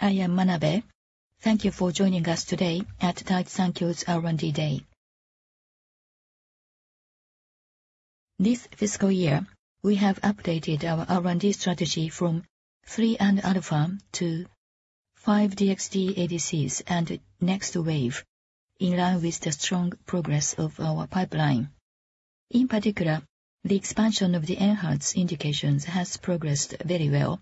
I am Manabe. Thank you for joining us today at Daiichi Sankyo's R&D Day. This fiscal year, we have updated our R&D strategy from 3 and Alpha to five DXd-ADCs and Next Wave, in line with the strong progress of our pipeline. In particular, the expansion of the Enhertu indications has progressed very well,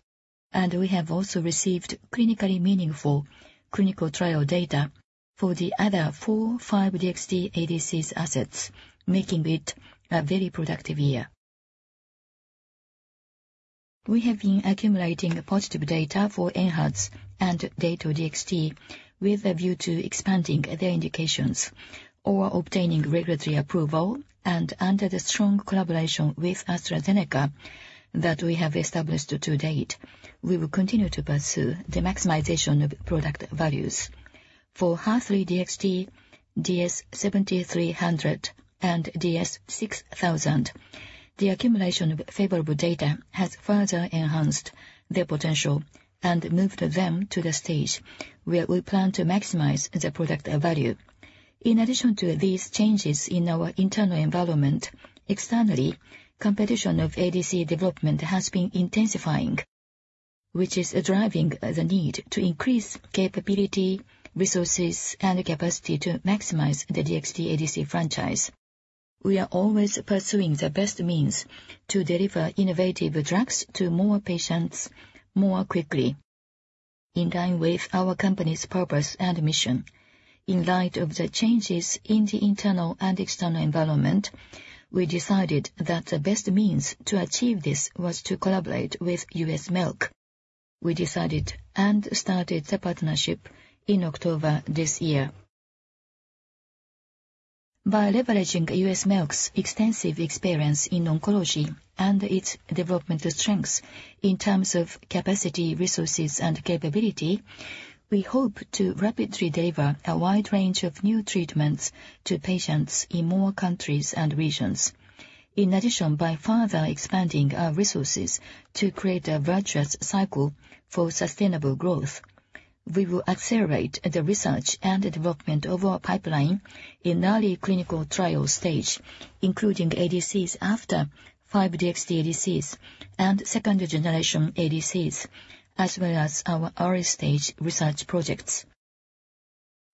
and we have also received clinically meaningful clinical trial data for the other four, five DXd-ADCs assets, making it a very productive year. We have been accumulating positive data for Enhertu and Dato-DXd with a view to expanding their indications or obtaining regulatory approval, and under the strong collaboration with AstraZeneca that we have established to date, we will continue to pursue the maximization of product values. For HER3-DXd, DS-7300 and DS-6000, the accumulation of favorable data has further enhanced their potential and moved them to the stage where we plan to maximize the product value. In addition to these changes in our internal environment, externally, competition of ADC development has been intensifying, which is driving the need to increase capability, resources, and capacity to maximize the DXd-ADC franchise. We are always pursuing the best means to deliver innovative drugs to more patients, more quickly, in line with our company's purpose and mission. In light of the changes in the internal and external environment, we decided that the best means to achieve this was to collaborate with U.S. Merck. We decided and started the partnership in October this year. By leveraging U.S. Merck's extensive experience in oncology and its development strengths in terms of capacity, resources, and capability, we hope to rapidly deliver a wide range of new treatments to patients in more countries and regions. In addition, by further expanding our resources to create a virtuous cycle for sustainable growth, we will accelerate the research and development of our pipeline in early clinical trial stage, including ADCs after five DXd-ADCs and second-generation ADCs, as well as our early stage research projects.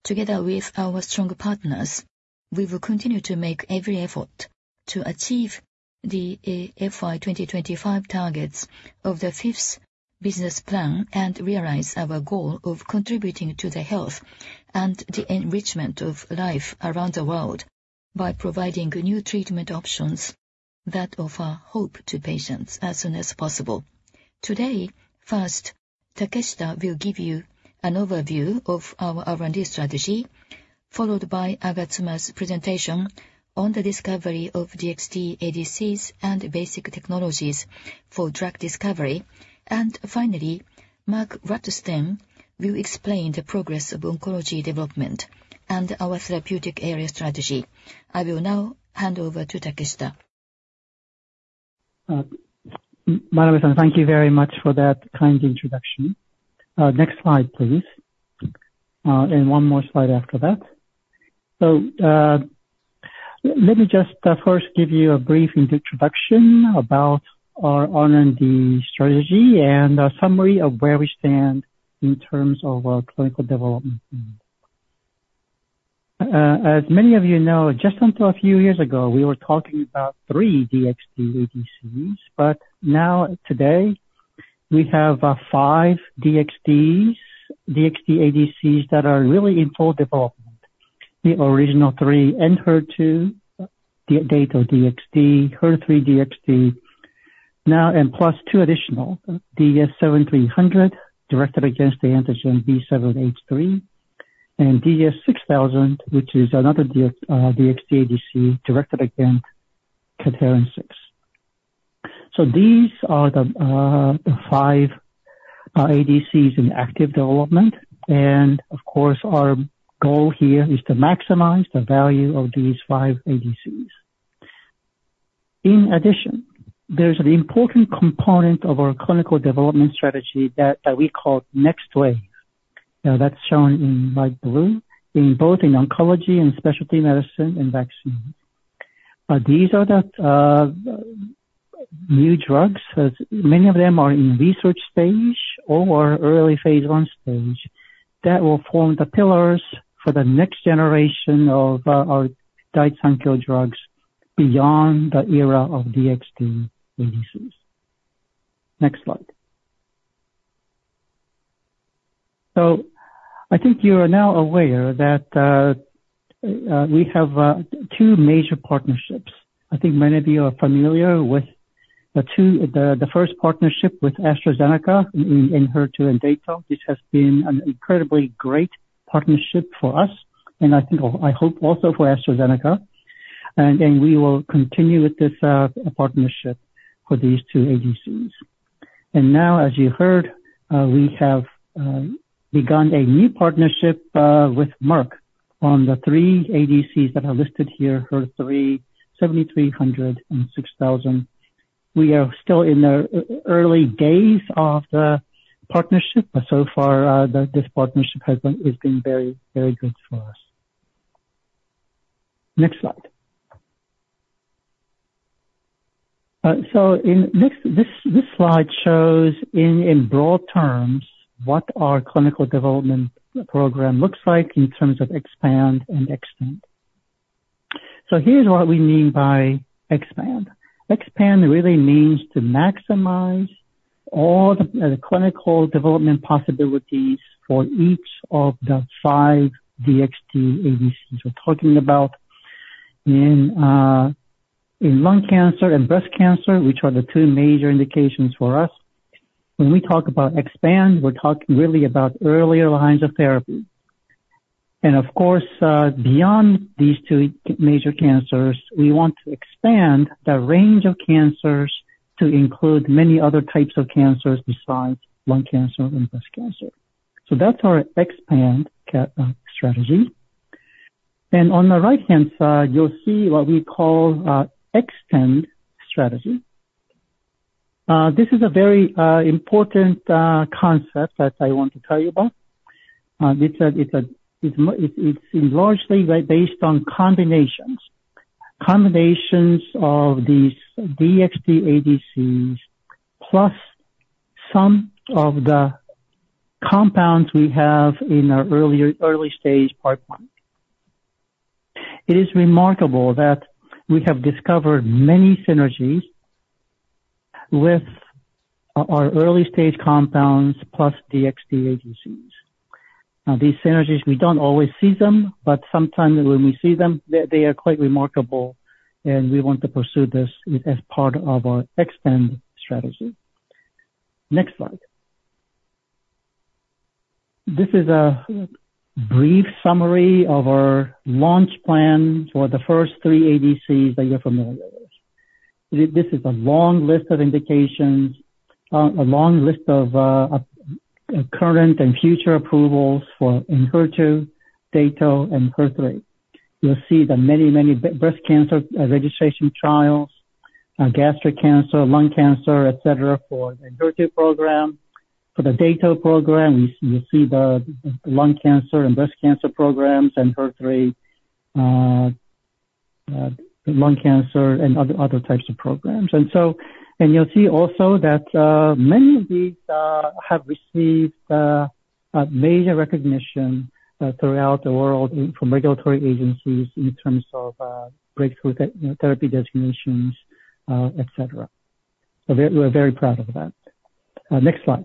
Together with our strong partners, we will continue to make every effort to achieve the FY 2025 targets of the fifth business plan, and realize our goal of contributing to the health and the enrichment of life around the world, by providing new treatment options that offer hope to patients as soon as possible. Today, first, Takeshita will give you an overview of our R&D strategy, followed by Agatsuma's presentation on the discovery of DXd-ADCs and basic technologies for drug discovery. Finally, Mark Rutstein will explain the progress of oncology development and our therapeutic area strategy. I will now hand over to Takeshita. Manabe, thank you very much for that kind introduction. Next slide, please. And one more slide after that. So, let me just first give you a brief introduction about our R&D strategy and a summary of where we stand in terms of clinical development. As many of you know, just until a few years ago, we were talking about three DXd-ADCs, but now today, we have five DXd-ADCs that are really in full development. The original three, Enhertu, Dato-DXd, HER3-DXd, now and plus two additional, DS-7300, directed against the antigen B7-H3, and DS-6000, which is another DXd-ADC directed against cadherin 6. So these are the five ADCs in active development, and of course, our goal here is to maximize the value of these five ADCs. In addition, there's an important component of our clinical development strategy that we call Next Wave. Now, that's shown in light blue, in both in oncology and specialty medicine and vaccine. But these are the new drugs, as many of them are in research stage or early phase I stage, that will form the pillars for the next generation of our Daiichi Sankyo drugs beyond the era of DXd-ADCs. Next slide. So I think you are now aware that we have two major partnerships. I think many of you are familiar with the two- the first partnership with AstraZeneca in Enhertu and Dato. This has been an incredibly great partnership for us, and I think, I hope also for AstraZeneca, and we will continue with this partnership for these two ADCs. And now, as you heard, we have begun a new partnership with Merck on the three ADCs that are listed here, HER3, 7300, and 6000. We are still in the early days of the partnership, but so far, this partnership has been very, very good for us. Next slide. So in this slide shows in broad terms, what our clinical development program looks like in terms of Expand and Extend. So here's what we mean by expand. Expand really means to maximize all the clinical development possibilities for each of the five DXd-ADCs we're talking about. In lung cancer and breast cancer, which are the two major indications for us, when we talk about expand, we're talking really about earlier lines of therapy. And of course, beyond these two major cancers, we want to expand the range of cancers to include many other types of cancers besides lung cancer and breast cancer. So that's our Expand strategy. And on the right-hand side, you'll see what we call Extend strategy. This is a very important concept that I want to tell you about. It's largely based on combinations. Combinations of these DXd-ADCs, plus some of the compounds we have in our early stage pipeline. It is remarkable that we have discovered many synergies with our early stage compounds plus DXd-ADCs. Now, these synergies, we don't always see them, but sometimes when we see them, they are quite remarkable, and we want to pursue this as part of our Extend strategy. Next slide. This is a brief summary of our launch plan for the first three ADCs that you're familiar with. This is a long list of indications, a long list of current and future approvals for Enhertu, Dato and HER3. You'll see the many, many breast cancer registration trials, gastric cancer, lung cancer, et cetera, for the Enhertu program. For the Dato program, you'll see the lung cancer and breast cancer programs, and HER3, lung cancer and other types of programs. You'll see also that many of these have received a major recognition throughout the world from regulatory agencies in terms of breakthrough therapy designations, et cetera. So we're very proud of that. Next slide.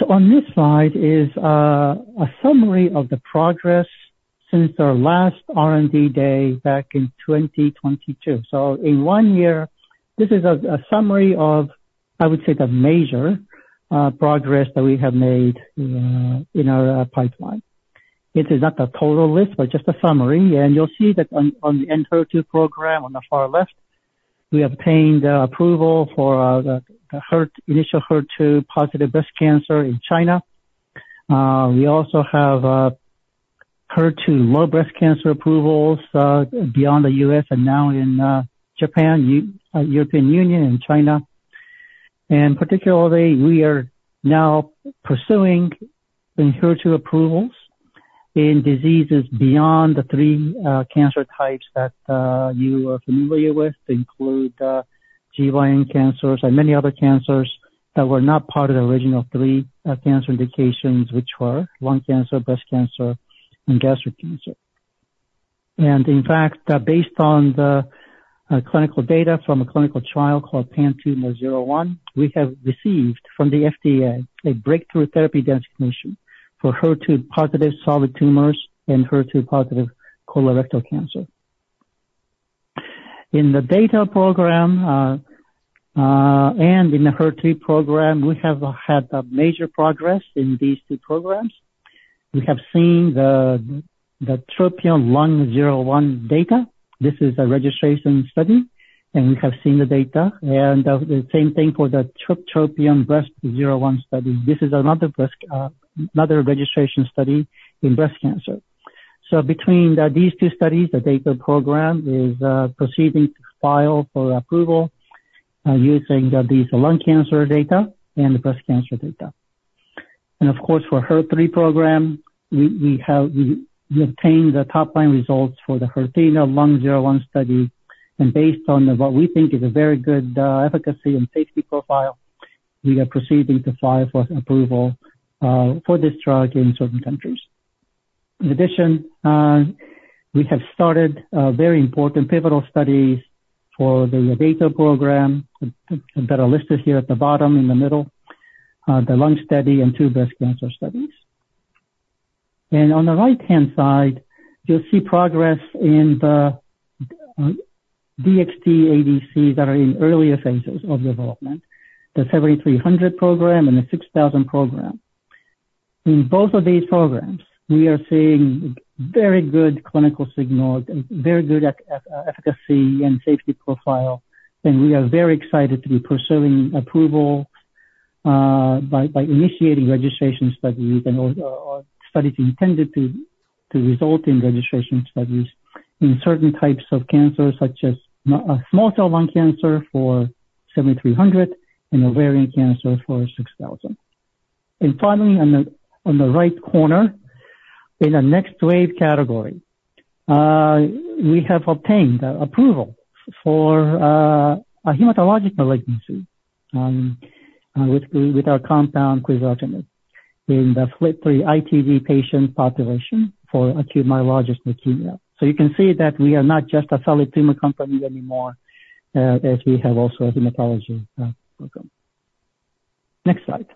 So on this slide is a summary of the progress since our last R&D Day back in 2022. So in one year, this is a summary of, I would say, the major progress that we have made in our pipeline. It is not a total list, but just a summary, and you'll see that on the Enhertu program, on the far left, we obtained the approval for the initial HER2-positive breast cancer in China. We also have HER2-low breast cancer approvals beyond the U.S. and now in Japan, European Union and China. And particularly, we are now pursuing Enhertu approvals in diseases beyond the three cancer types that you are familiar with, include GYN cancers and many other cancers that were not part of the original three cancer indications, which were lung cancer, breast cancer, and gastric cancer. And in fact, based on the clinical data from a clinical trial called PanTumor01, we have received from the FDA a breakthrough therapy designation for HER2-positive solid tumors and HER2-positive colorectal cancer. In the Dato program and in the HER3 program, we have had a major progress in these two programs. We have seen the TROPION-Lung01 data. This is a registration study, and we have seen the data, and the same thing for the TROPION-Breast01 study. This is another breast, another registration study in breast cancer. So between these two studies, the Dato program is proceeding to file for approval using these lung cancer data and the breast cancer data. And of course, for HER3 program, we have obtained the top line results for the HERTHENA-Lung01 study, and based on what we think is a very good efficacy and safety profile, we are proceeding to file for approval for this drug in certain countries. In addition, we have started very important pivotal studies for the Dato program, that are listed here at the bottom in the middle, the lung study and two breast cancer studies. On the right-hand side, you'll see progress in the DXd-ADCs that are in earlier phases of development, the 7300 program and the 6000 program. In both of these programs, we are seeing very good clinical signals and very good efficacy and safety profile. And we are very excited to be pursuing approval by initiating registration studies and/or studies intended to result in registration studies in certain types of cancers, such as small cell lung cancer for 7300, and ovarian cancer for 6000. And finally, on the right corner, in the next wave category, we have obtained approval for a hematological malignancy with our compound quizartinib in the FLT3-ITD patient population for acute myelogenous leukemia. So you can see that we are not just a solid tumor company anymore, as we have also a hematology program. Next slide.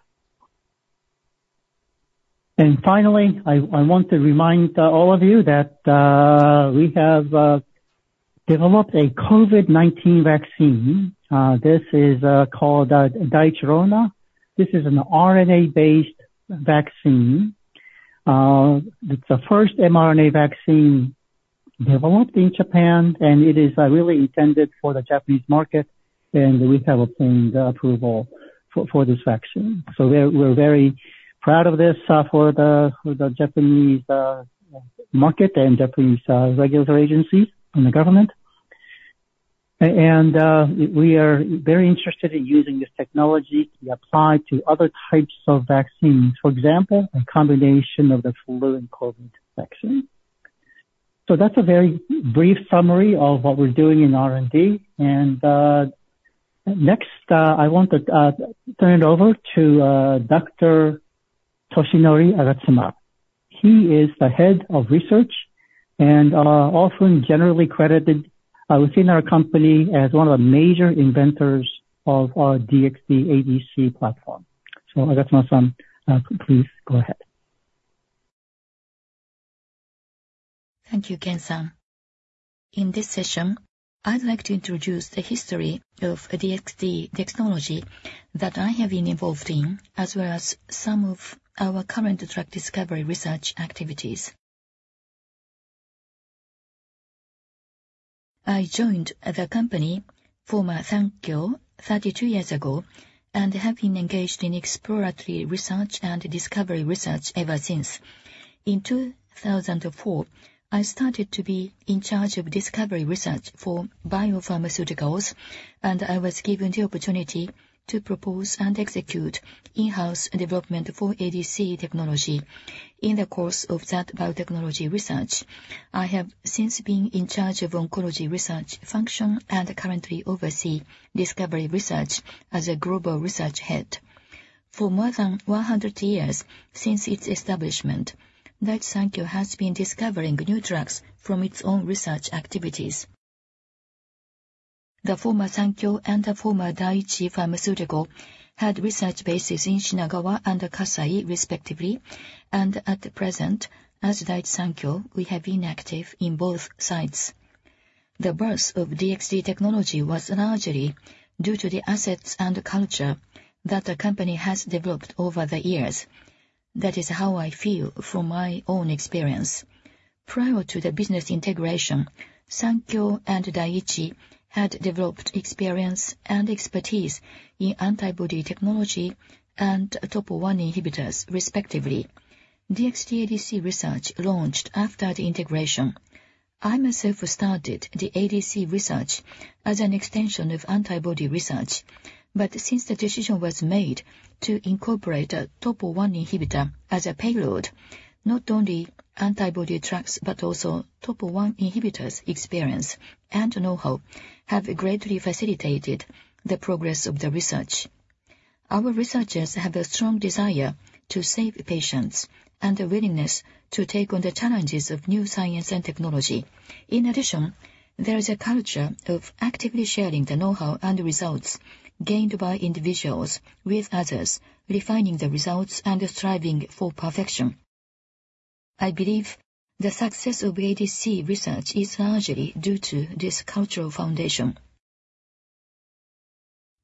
And finally, I want to remind all of you that we have developed a COVID-19 vaccine. This is called Daichirona. This is an RNA-based vaccine. It's the first mRNA vaccine developed in Japan, and it is really intended for the Japanese market, and we have obtained approval for this vaccine. So we're very proud of this for the Japanese market and Japanese regulatory agencies and the government. And we are very interested in using this technology to apply to other types of vaccines, for example, a combination of the flu and COVID vaccine. So that's a very brief summary of what we're doing in R&D, and next, I want to turn it over to Dr. Toshinori Agatsuma. He is the Head of Research and often generally credited within our company as one of the major inventors of our DXd-ADC platform. So Agatsuma-san, please go ahead. Thank you, Ken-san. In this session, I'd like to introduce the history of DXd technology that I have been involved in, as well as some of our current drug discovery research activities. I joined the company, former Sankyo, 32 years ago, and have been engaged in exploratory research and discovery research ever since. In 2004, I started to be in charge of discovery research for biopharmaceuticals, and I was given the opportunity to propose and execute in-house development for ADC Technology. In the course of that biotechnology research, I have since been in charge of oncology research function and currently oversee discovery research as a global research head. For more than 100 years since its establishment, Daiichi Sankyo has been discovering new drugs from its own research activities. The former Sankyo and the former Daiichi Pharmaceutical had research bases in Shinagawa and Kasai, respectively, and at present, as Daiichi Sankyo, we have been active in both sites. The birth of DXd technology was largely due to the assets and culture that the company has developed over the years. That is how I feel from my own experience. Prior to the business integration, Sankyo and Daiichi had developed experience and expertise in antibody technology and TOP1 inhibitors, respectively. DXd-ADC research launched after the integration. I myself started the ADC research as an extension of antibody research, but since the decision was made to incorporate a TOP1 inhibitor as a payload, not only antibody drugs, but also TOP1 inhibitors' experience and know-how, have greatly facilitated the progress of the research. Our researchers have a strong desire to save patients and a willingness to take on the challenges of new science and technology. In addition, there is a culture of actively sharing the know-how and results gained by individuals with others, refining the results and striving for perfection. I believe the success of ADC research is largely due to this cultural foundation.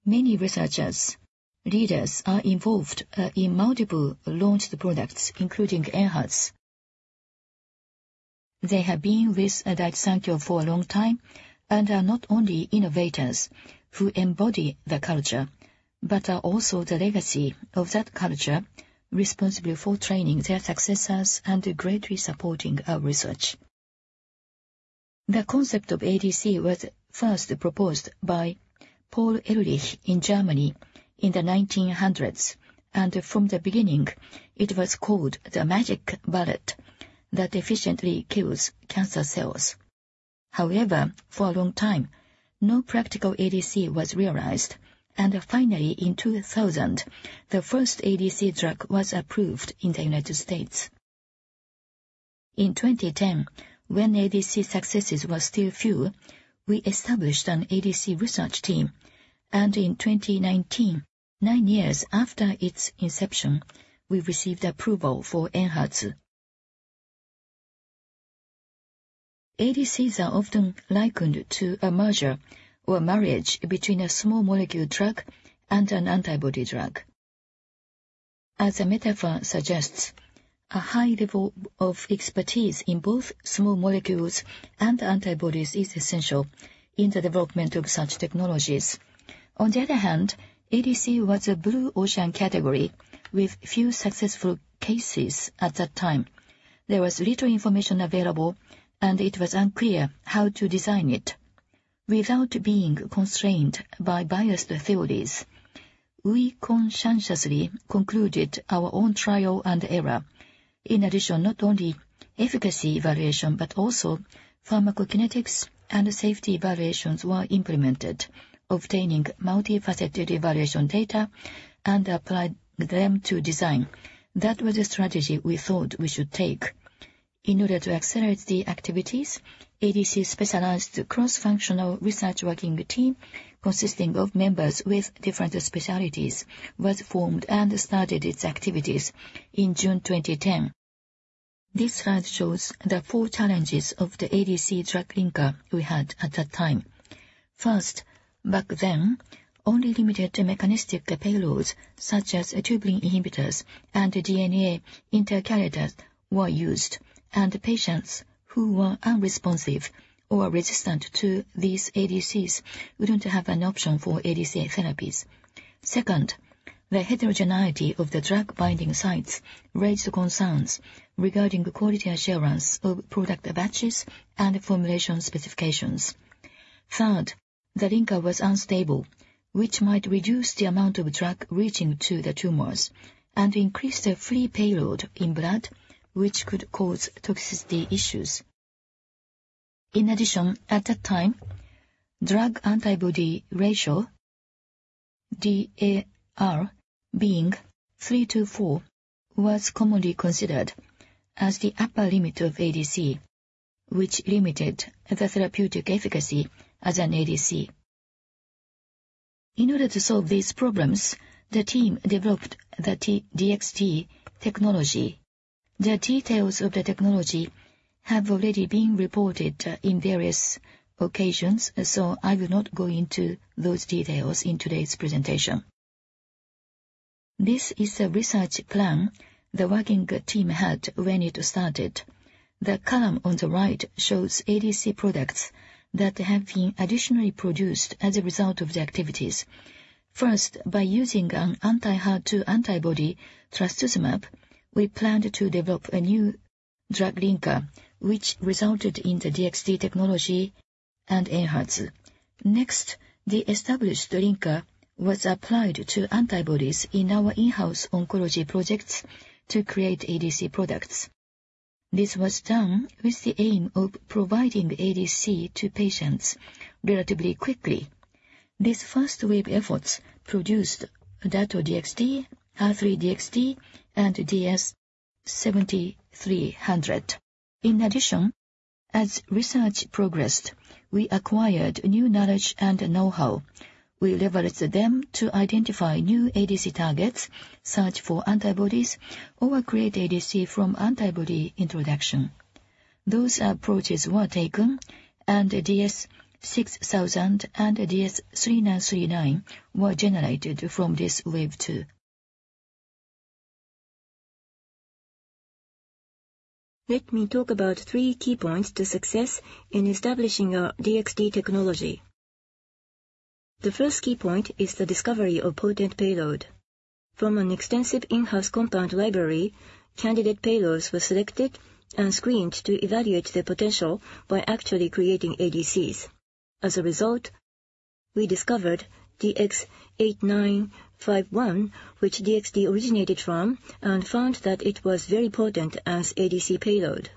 Many researchers, leaders, are involved in multiple launched products, including Enhertu. They have been with Daiichi Sankyo for a long time and are not only innovators who embody the culture, but are also the legacy of that culture, responsible for training their successors and greatly supporting our research. The concept of ADC was first proposed by Paul Ehrlich in Germany in the 1900s, and from the beginning, it was called the magic bullet that efficiently kills cancer cells. However, for a long time, no practical ADC was realized, and finally, in 2000, the first ADC drug was approved in the United States. In 2010, when ADC successes were still few, we established an ADC research team, and in 2019, nine years after its inception, we received approval for Enhertu. ADCs are often likened to a merger or a marriage between a small molecule drug and an antibody drug. As the metaphor suggests, a high level of expertise in both small molecules and antibodies is essential in the development of such technologies. On the other hand, ADC was a blue ocean category with few successful cases at that time. There was little information available, and it was unclear how to design it. Without being constrained by biased theories, we conscientiously concluded our own trial and error. In addition, not only efficacy evaluation, but also pharmacokinetics and safety evaluations were implemented, obtaining multifaceted evaluation data and applied them to design. That was a strategy we thought we should take. In order to accelerate the activities, ADC specialized cross-functional research working team, consisting of members with different specialties, was formed and started its activities in June 2010. This slide shows the four challenges of the ADC drug-linker we had at that time. First, back then, only limited mechanistic payloads, such as tubulin inhibitors and DNA intercalators, were used, and patients who were unresponsive or resistant to these ADCs wouldn't have an option for ADC therapies. Second, the heterogeneity of the drug binding sites raised concerns regarding the quality assurance of product batches and formulation specifications. Third, the linker was unstable, which might reduce the amount of drug reaching to the tumors and increase the free payload in blood, which could cause toxicity issues. In addition, at that time, drug to antibody ratio, DAR, being 3-4, was commonly considered as the upper limit of ADC, which limited the therapeutic efficacy as an ADC. In order to solve these problems, the team developed the DXd technology. The details of the technology have already been reported in various occasions, so I will not go into those details in today's presentation. This is a research plan the working team had when it started. The column on the right shows ADC products that have been additionally produced as a result of the activities. First, by using an anti-HER2 antibody, trastuzumab, we planned to develop a new drug-linker, which resulted in the DXd technology and Enhertu. Next, the established linker was applied to antibodies in our in-house oncology projects to create ADC products. This was done with the aim of providing ADC to patients relatively quickly. This first wave efforts produced dato-DXd, HER3-DXd, and DS-7300. In addition, as research progressed, we acquired new knowledge and know-how. We leveraged them to identify new ADC targets, search for antibodies, or create ADC from antibody introduction. Those approaches were taken, and DS-6000 and DS-3939 were generated from this wave two. Let me talk about three key points to success in establishing our DXd technology. The first key point is the discovery of potent payload. From an extensive in-house compound library, candidate payloads were selected and screened to evaluate their potential by actually creating ADCs. As a result, we discovered DX-8951, which DXd originated from, and found that it was very potent as ADC payload.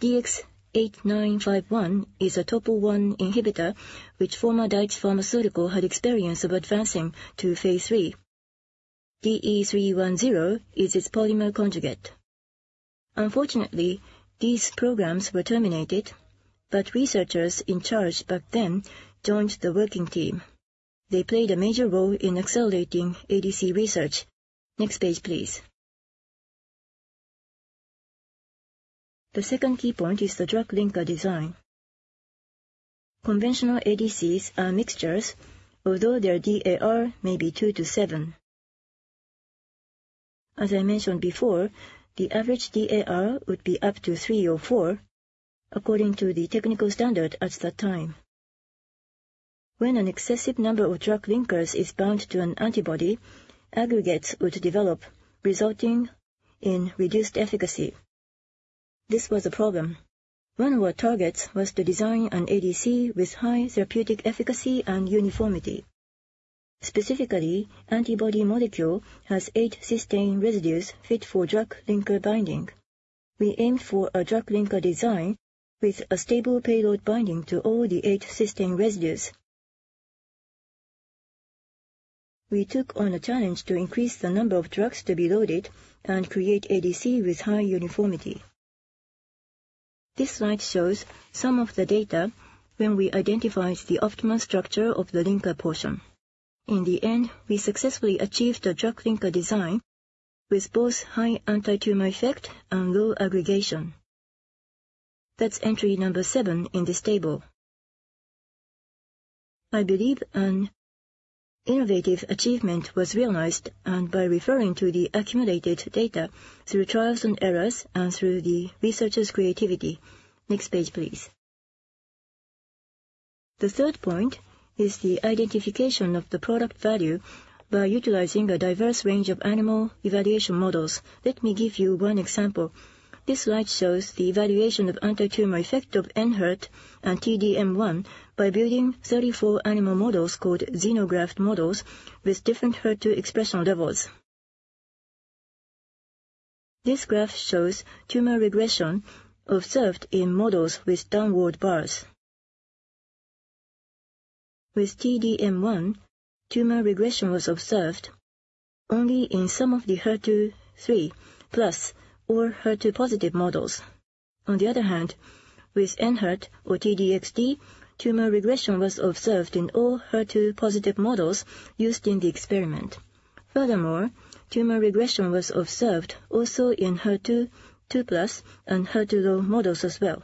DX-8951 is a TOP1 inhibitor, which former Daiichi Pharmaceutical had experience of advancing to phase III. DE-310 is its polymer conjugate. Unfortunately, these programs were terminated, but researchers in charge back then joined the working team. They played a major role in accelerating ADC research. Next page, please. The second key point is the drug-linker design. Conventional ADCs are mixtures, although their DAR may be 2-7. As I mentioned before, the average DAR would be up to 3 or 4 according to the technical standard at that time. When an excessive number of drug-linkers is bound to an antibody, aggregates would develop, resulting in reduced efficacy. This was a problem. One of our targets was to design an ADC with high therapeutic efficacy and uniformity. Specifically, antibody molecule has eight cysteine residues fit for drug-linker binding. We aimed for a drug-linker design with a stable payload binding to all the eight cysteine residues. We took on a challenge to increase the number of drugs to be loaded and create ADC with high uniformity. This slide shows some of the data when we identified the optimal structure of the linker portion. In the end, we successfully achieved a drug-linker design with both high antitumor effect and low aggregation. That's entry number seven in this table. I believe an innovative achievement was realized, and by referring to the accumulated data through trials and errors and through the researchers' creativity. Next page, please. The third point is the identification of the product value by utilizing a diverse range of animal evaluation models. Let me give you one example. This slide shows the evaluation of anti-tumor effect of Enhertu and T-DM1 by building 34 animal models called xenograft models, with different HER2 expression levels. This graph shows tumor regression observed in models with downward bars. With T-DM1, tumor regression was observed only in some of the HER2, HER3+ or HER2 positive models. On the other hand, with Enhertu or T-DXd, tumor regression was observed in all HER2 positive models used in the experiment. Furthermore, tumor regression was observed also in HER2 2+ and HER2 low models as well.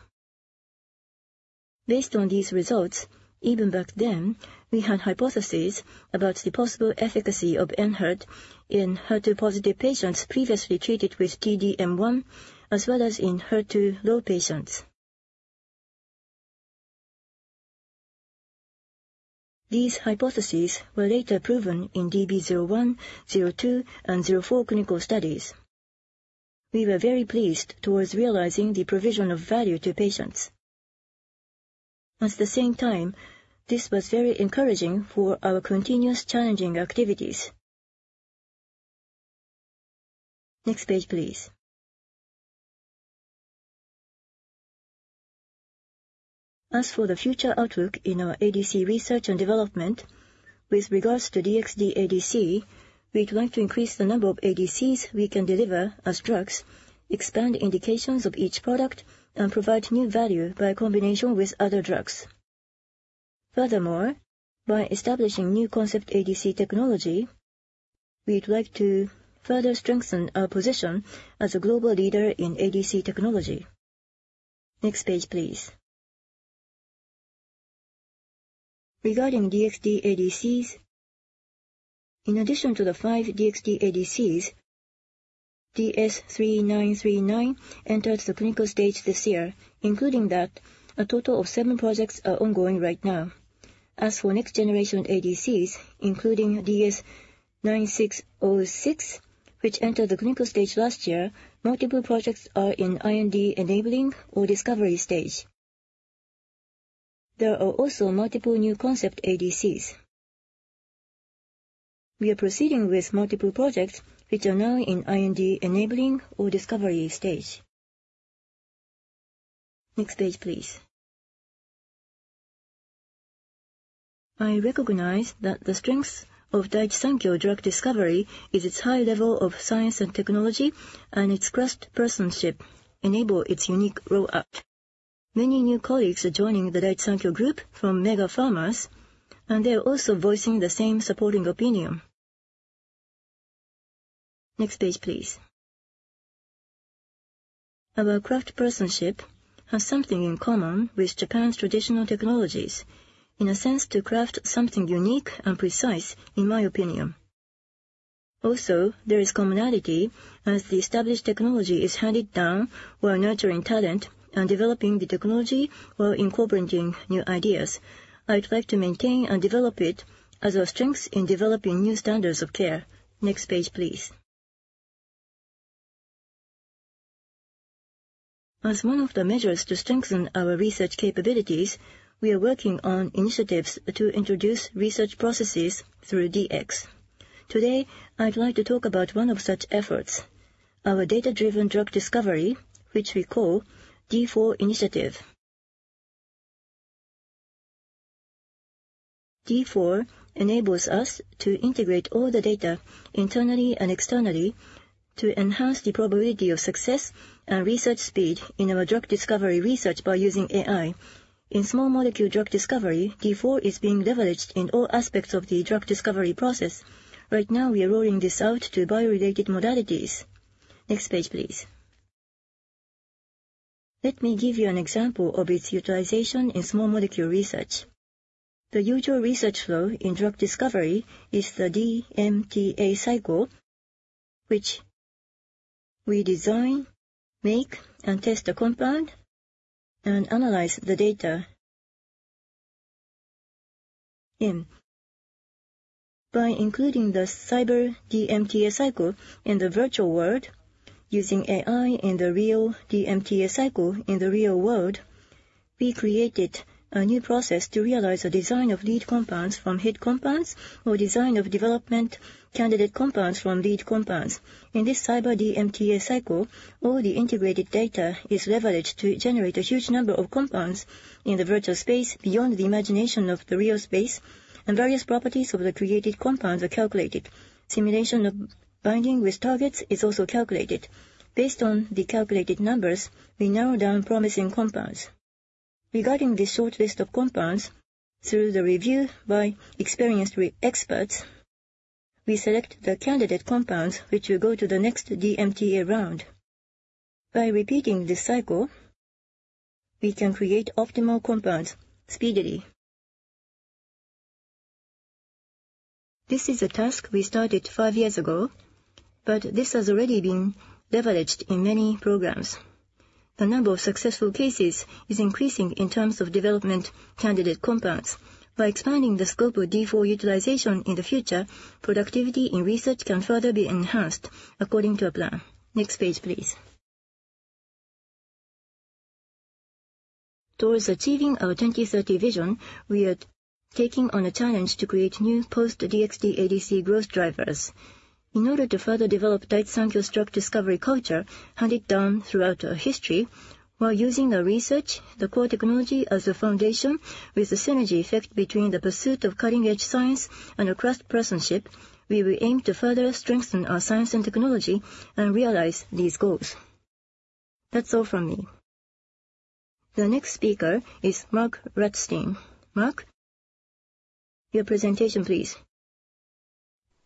Based on these results, even back then, we had hypotheses about the possible efficacy of Enhertu in HER2-positive patients previously treated with T-DM1, as well as in HER2-low patients. These hypotheses were later proven in DB01, 02, and 04 clinical studies. We were very pleased towards realizing the provision of value to patients. At the same time, this was very encouraging for our continuous challenging activities. Next page, please. As for the future outlook in our ADC research and development, with regards to DXd-ADC, we'd like to increase the number of ADCs we can deliver as drugs, expand indications of each product, and provide new value by combination with other drugs. Furthermore, by establishing new concept ADC Technology, we'd like to further strengthen our position as a global leader in ADC Technology. Next page, please. Regarding DXd-ADCs, in addition to the five DXd-ADCs, DS-3939 entered the clinical stage this year. Including that, a total of seven projects are ongoing right now. As for next-generation ADCs, including DS-9606, which entered the clinical stage last year, multiple projects are in IND enabling or discovery stage. There are also multiple new concept ADCs. We are proceeding with multiple projects, which are now in IND enabling or discovery stage. Next page, please. I recognize that the strengths of Daiichi Sankyo drug discovery is its high level of science and technology, and its craftspersonship enable its unique rollout. Many new colleagues are joining the Daiichi Sankyo Group from Mega Pharmas, and they are also voicing the same supporting opinion. Next page, please. Our craftspersonship has something in common with Japan's traditional technologies, in a sense, to craft something unique and precise, in my opinion. Also, there is commonality as the established technology is handed down while nurturing talent and developing the technology while incorporating new ideas. I'd like to maintain and develop it as our strengths in developing new standards of care. Next page, please. As one of the measures to strengthen our research capabilities, we are working on initiatives to introduce research processes through DX. Today, I'd like to talk about one of such efforts, our Data-Driven Drug Discovery, which we call D4 Initiative. D4 enables us to integrate all the data internally and externally to enhance the probability of success and research speed in our drug discovery research by using AI. In small molecule drug discovery, D4 is being leveraged in all aspects of the drug discovery process. Right now, we are rolling this out to bio-related modalities. Next page, please. Let me give you an example of its utilization in small molecule research. The usual research flow in drug discovery is the DMTA cycle, which we design, make, and test a compound and analyze the data. By including the cyber DMTA cycle in the virtual world, using AI in the real DMTA cycle in the real world, we created a new process to realize a design of lead compounds from hit compounds, or design of development candidate compounds from lead compounds. In this cyber DMTA cycle, all the integrated data is leveraged to generate a huge number of compounds in the virtual space beyond the imagination of the real space, and various properties of the created compounds are calculated. Simulation of binding with targets is also calculated. Based on the calculated numbers, we narrow down promising compounds. Regarding this short list of compounds, through the review by experienced experts, we select the candidate compounds, which will go to the next DMTA round. By repeating this cycle, we can create optimal compounds speedily. This is a task we started five years ago, but this has already been leveraged in many programs. The number of successful cases is increasing in terms of development candidate compounds. By expanding the scope of D4 utilization in the future, productivity in research can further be enhanced according to a plan. Next page, please. Towards achieving our 2030 vision, we are taking on a challenge to create new post DXd-ADC growth drivers. In order to further develop Daiichi Sankyo's drug discovery culture, handed down throughout our history, while using our research, the core technology as a foundation, with the synergy effect between the pursuit of cutting-edge science and a craftspersonship, we will aim to further strengthen our science and technology and realize these goals. That's all from me. The next speaker is Mark Rutstein. Mark, your presentation, please.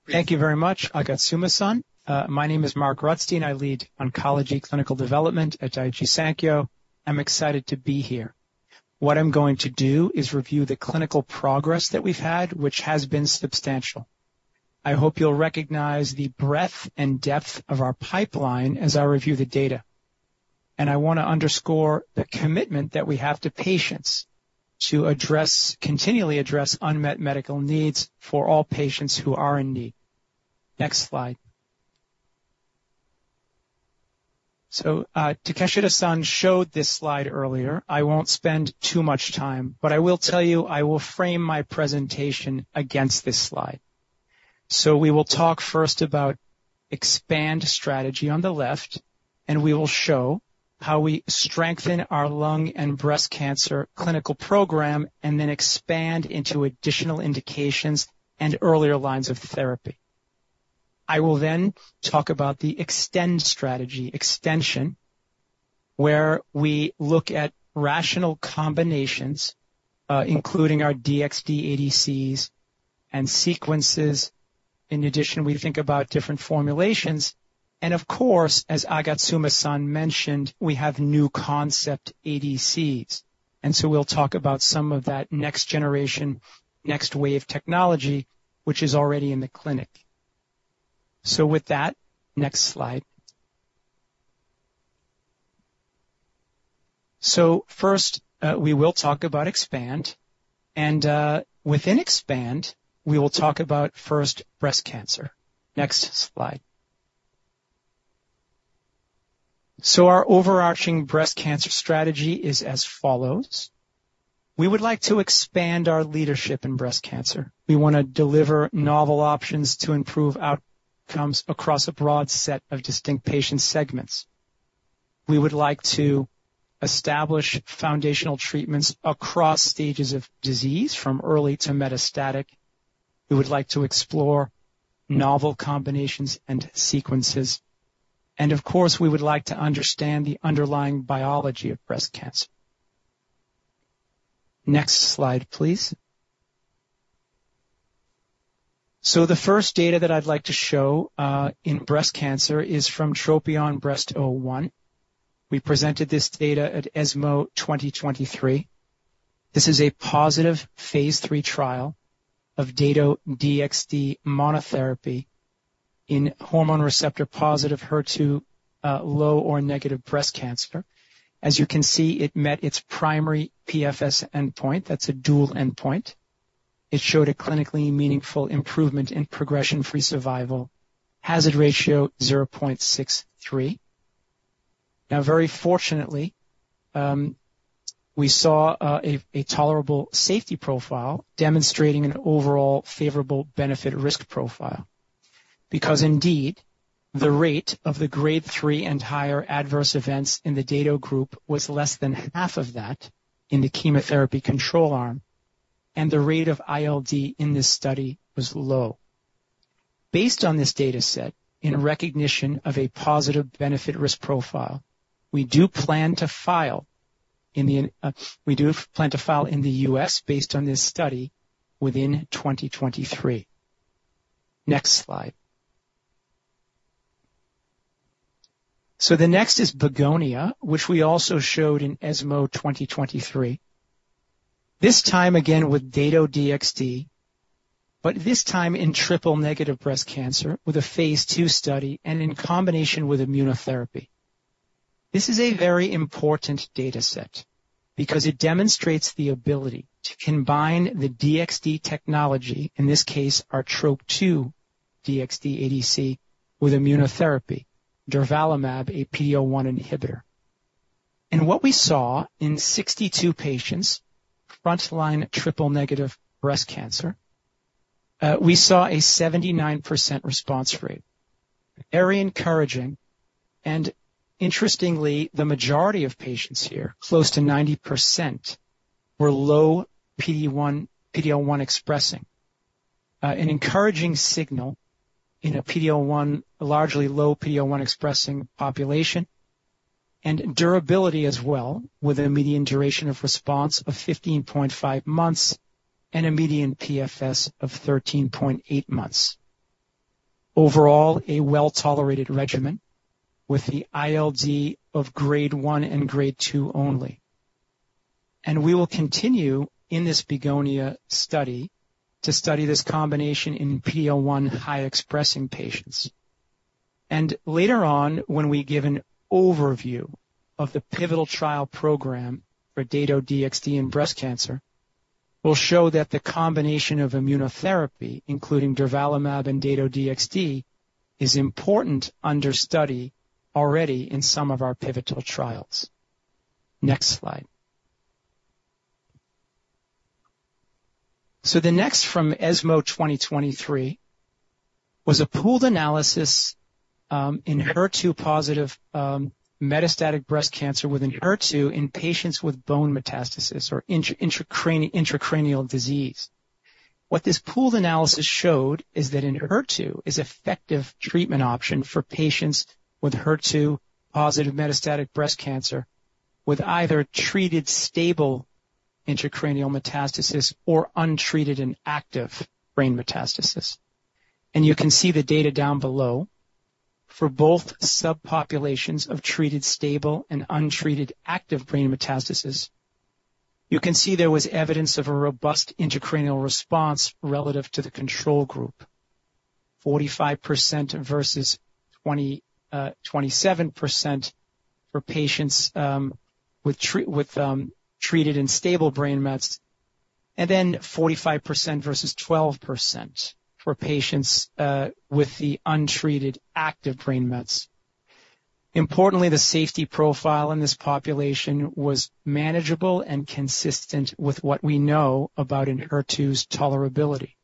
Thank you very much, Agatsuma-san. My name is Mark Rutstein. I lead Oncology Clinical Development at Daiichi Sankyo. I'm excited to be here. What I'm going to do is review the clinical progress that we've had, which has been substantial. I hope you'll recognize the breadth and depth of our pipeline as I review the data. I want to underscore the commitment that we have to patients to address, continually address unmet medical needs for all patients who are in need. Next slide. So, Takeshita-san showed this slide earlier. I won't spend too much time, but I will tell you I will frame my presentation against this slide. So we will talk first about Expand strategy on the left, and we will show how we strengthen our lung and breast cancer clinical program, and then expand into additional indications and earlier lines of therapy. I will then talk about the Extend strategy, extension, where we look at rational combinations, including our DXd-ADCs and sequences. In addition, we think about different formulations, and of course, as Agatsuma-san mentioned, we have new concept ADCs. And so we'll talk about some of that next generation, next wave technology, which is already in the clinic. So with that, next slide. So first, we will talk about expand, and, within expand, we will talk about first, breast cancer. Next slide. So our overarching breast cancer strategy is as follows: We would like to expand our leadership in breast cancer. We wanna deliver novel options to improve outcomes across a broad set of distinct patient segments. We would like to establish foundational treatments across stages of disease, from early to metastatic. We would like to explore novel combinations and sequences, and of course, we would like to understand the underlying biology of breast cancer. Next slide, please. So the first data that I'd like to show in breast cancer is from TROPION-Breast01. We presented this data at ESMO 2023. This is a positive phase III trial of Dato-DXd monotherapy in hormone receptor-positive, HER2 low or negative breast cancer. As you can see, it met its primary PFS endpoint. That's a dual endpoint. It showed a clinically meaningful improvement in progression-free survival, hazard ratio 0.63. Now, very fortunately, we saw a tolerable safety profile demonstrating an overall favorable benefit risk profile. Because indeed, the rate of the grade 3 and higher adverse events in the Dato group was less than half of that in the chemotherapy control arm, and the rate of ILD in this study was low. Based on this data set, in recognition of a positive benefit risk profile, we do plan to file in the, we do plan to file in the U.S. based on this study within 2023. Next slide. So the next is BEGONIA, which we also showed in ESMO 2023. This time, again, with Dato-DXd, but this time in triple-negative breast cancer with a phase II study and in combination with immunotherapy. This is a very important data set because it demonstrates the ability to combine the DXd technology, in this case, our TROP2 DXd-ADC, with immunotherapy, durvalumab, a PD-L1 inhibitor. What we saw in 62 patients, front-line triple-negative breast cancer, we saw a 79% response rate. Very encouraging, and interestingly, the majority of patients here, close to 90%, were low PD-L1 expressing. An encouraging signal in a PD-L1, largely low PD-L1-expressing population, and durability as well, with a median duration of response of 15.5 months and a median PFS of 13.8 months. Overall, a well-tolerated regimen with the ILD of grade 1 and grade 2 only. We will continue in this BEGONIA study to study this combination in PD-L1 high-expressing patients. Later on, when we give an overview of the pivotal trial program for Dato-DXd in breast cancer, we'll show that the combination of immunotherapy, including durvalumab and Dato-DXd, is important under study already in some of our pivotal trials. Next slide. So the next from ESMO 2023 was a pooled analysis in HER2-positive metastatic breast cancer with Enhertu in patients with bone metastasis or intracranial disease. What this pooled analysis showed is that Enhertu is effective treatment option for patients with HER2-positive metastatic breast cancer, with either treated, stable intracranial metastasis or untreated and active brain metastasis. And you can see the data down below for both subpopulations of treated, stable, and untreated active brain metastasis. You can see there was evidence of a robust intracranial response relative to the control group, 45% versus 27% for patients with treated and stable brain mets, and then 45% versus 12% for patients with the untreated active brain mets. Importantly, the safety profile in this population was manageable and consistent with what we know about Enhertu's tolerability.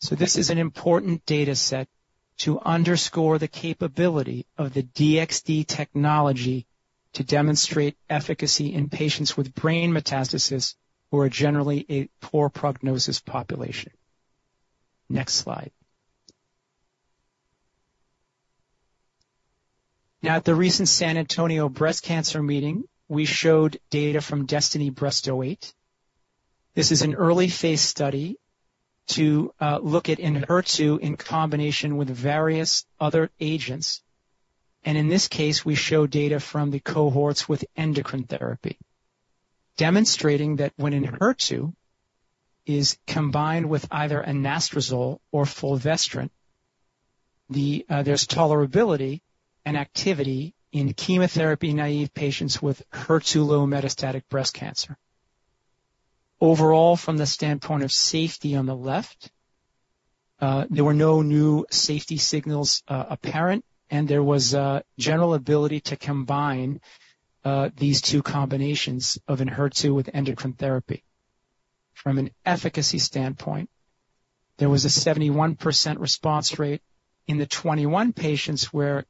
So this is an important data set to underscore the capability of the DXd technology to demonstrate efficacy in patients with brain metastasis who are generally a poor prognosis population. Next slide. Now, at the recent San Antonio Breast Cancer Meeting, we showed data from DESTINY-Breast08. This is an early phase study to look at Enhertu in combination with various other agents. And in this case, we show data from the cohorts with endocrine therapy, demonstrating that when Enhertu is combined with either anastrozole or fulvestrant, there's tolerability and activity in chemotherapy-naive patients with HER2-low metastatic breast cancer. Overall, from the standpoint of safety on the left, there were no new safety signals apparent, and there was a general ability to combine these two combinations of Enhertu with endocrine therapy. From an efficacy standpoint, there was a 71% response rate in the 21 patients where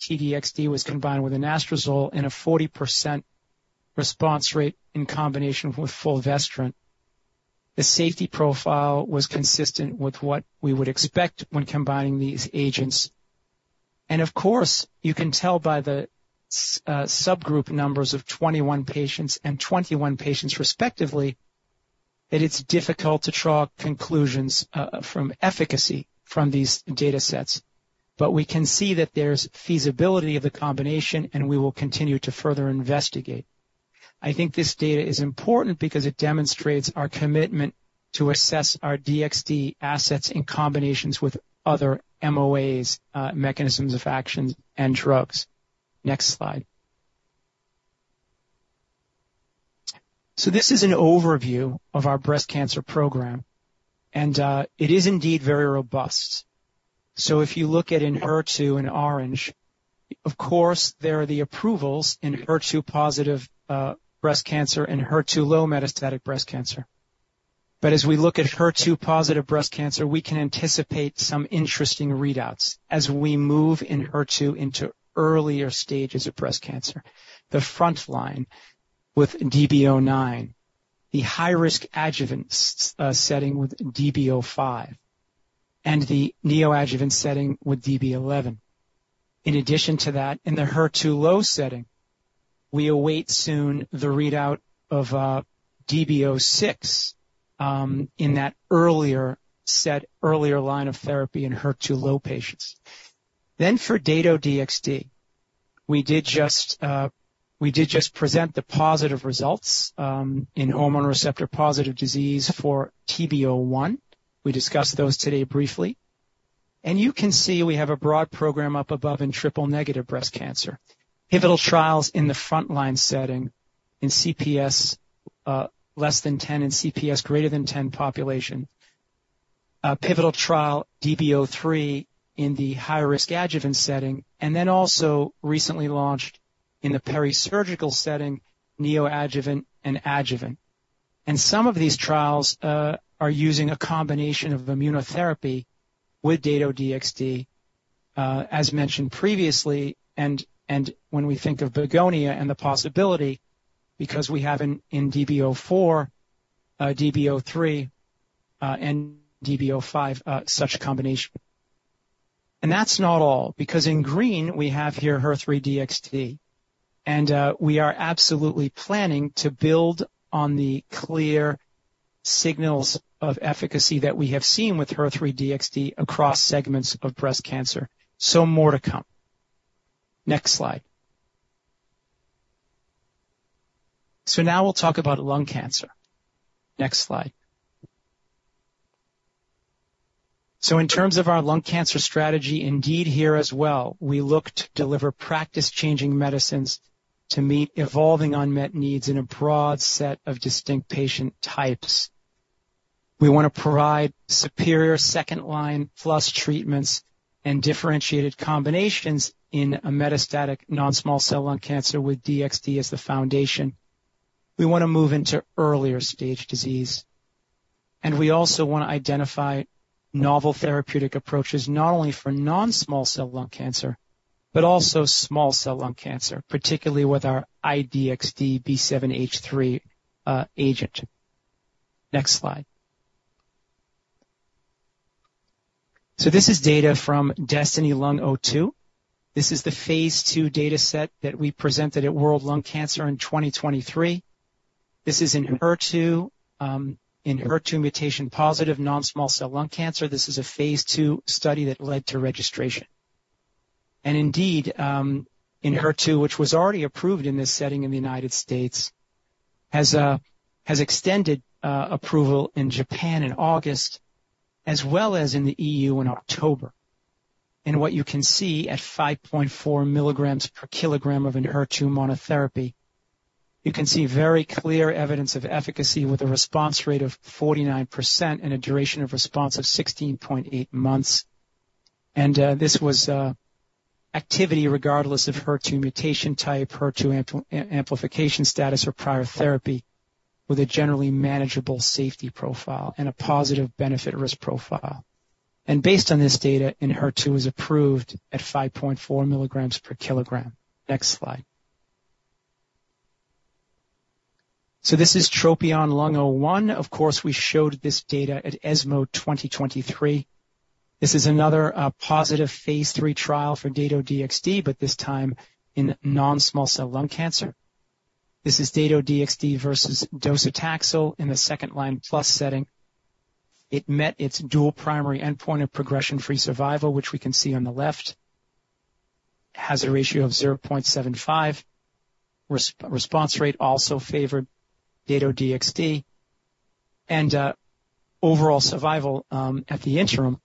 T-DXd was combined with anastrozole and a 40% response rate in combination with fulvestrant. The safety profile was consistent with what we would expect when combining these agents. And of course, you can tell by the subgroup numbers of 21 patients and 21 patients, respectively, that it's difficult to draw conclusions from efficacy from these data sets. But we can see that there's feasibility of the combination, and we will continue to further investigate. I think this data is important because it demonstrates our commitment to assess our DXd assets in combinations with other MOAs, mechanisms of actions and drugs. Next slide. So this is an overview of our breast cancer program, and it is indeed very robust. So if you look at Enhertu in orange, of course, there are the approvals in HER2-positive breast cancer and HER2-low metastatic breast cancer. But as we look at HER2-positive breast cancer, we can anticipate some interesting readouts as we move Enhertu into earlier stages of breast cancer. The front line with DB09, the high-risk adjuvant setting with DB05, and the neoadjuvant setting with DB11. In addition to that, in the HER2-low setting, we await soon the readout of DB06 in that earlier set, earlier line of therapy in HER2-low patients. Then for Dato-DXd, we did just, we did just present the positive results in hormone receptor-positive disease for TB-01. We discussed those today briefly. And you can see we have a broad program up above in triple-negative breast cancer. Pivotal trials in the front-line setting in CPS less than 10, in CPS greater than 10 population. A pivotal trial, DB03, in the high-risk adjuvant setting, and then also recently launched in the peri-surgical setting, neoadjuvant and adjuvant. And some of these trials are using a combination of immunotherapy with Dato-DXd, as mentioned previously, and when we think of BEGONIA and the possibility, because we have in DB04, DB03, and DB05 such a combination. And that's not all, because in green we have here HER3-DXd. And we are absolutely planning to build on the clear signals of efficacy that we have seen with HER3-DXd across segments of breast cancer. So more to come. Next slide. So now we'll talk about lung cancer. Next slide. So in terms of our lung cancer strategy, indeed, here as well, we look to deliver practice-changing medicines to meet evolving unmet needs in a broad set of distinct patient types. We want to provide superior second-line plus treatments and differentiated combinations in metastatic non-small cell lung cancer with DXd as the foundation. We want to move into earlier stage disease, and we also want to identify novel therapeutic approaches, not only for non-small cell lung cancer, but also small cell lung cancer, particularly with our I-DXd B7-H3 agent. Next slide. So this is data from DESTINY-Lung02. This is the phase II data set that we presented at World Lung Cancer in 2023. This is in HER2 in HER2 mutation-positive non-small cell lung cancer. This is a phase II study that led to registration. And indeed, in Enhertu, which was already approved in this setting in the United States, has extended approval in Japan in August, as well as in the EU in October. And what you can see at 5.4 mg/kg of Enhertu monotherapy, you can see very clear evidence of efficacy with a response rate of 49% and a duration of response of 16.8 months. And this was activity, regardless of HER2 mutation type, HER2 amp, amplification status, or prior therapy, with a generally manageable safety profile and a positive benefit risk profile. And based on this data, Enhertu is approved at 5.4 mg/kg. Next slide. So this is TROPION-Lung01. Of course, we showed this data at ESMO 2023. This is another positive phase III trial for Dato-DXd, but this time in non-small cell lung cancer. This is Dato-DXd versus docetaxel in the second-line plus setting. It met its dual primary endpoint of progression-free survival, which we can see on the left, has a ratio of 0.75. Response rate also favored Dato-DXd, and overall survival at the interim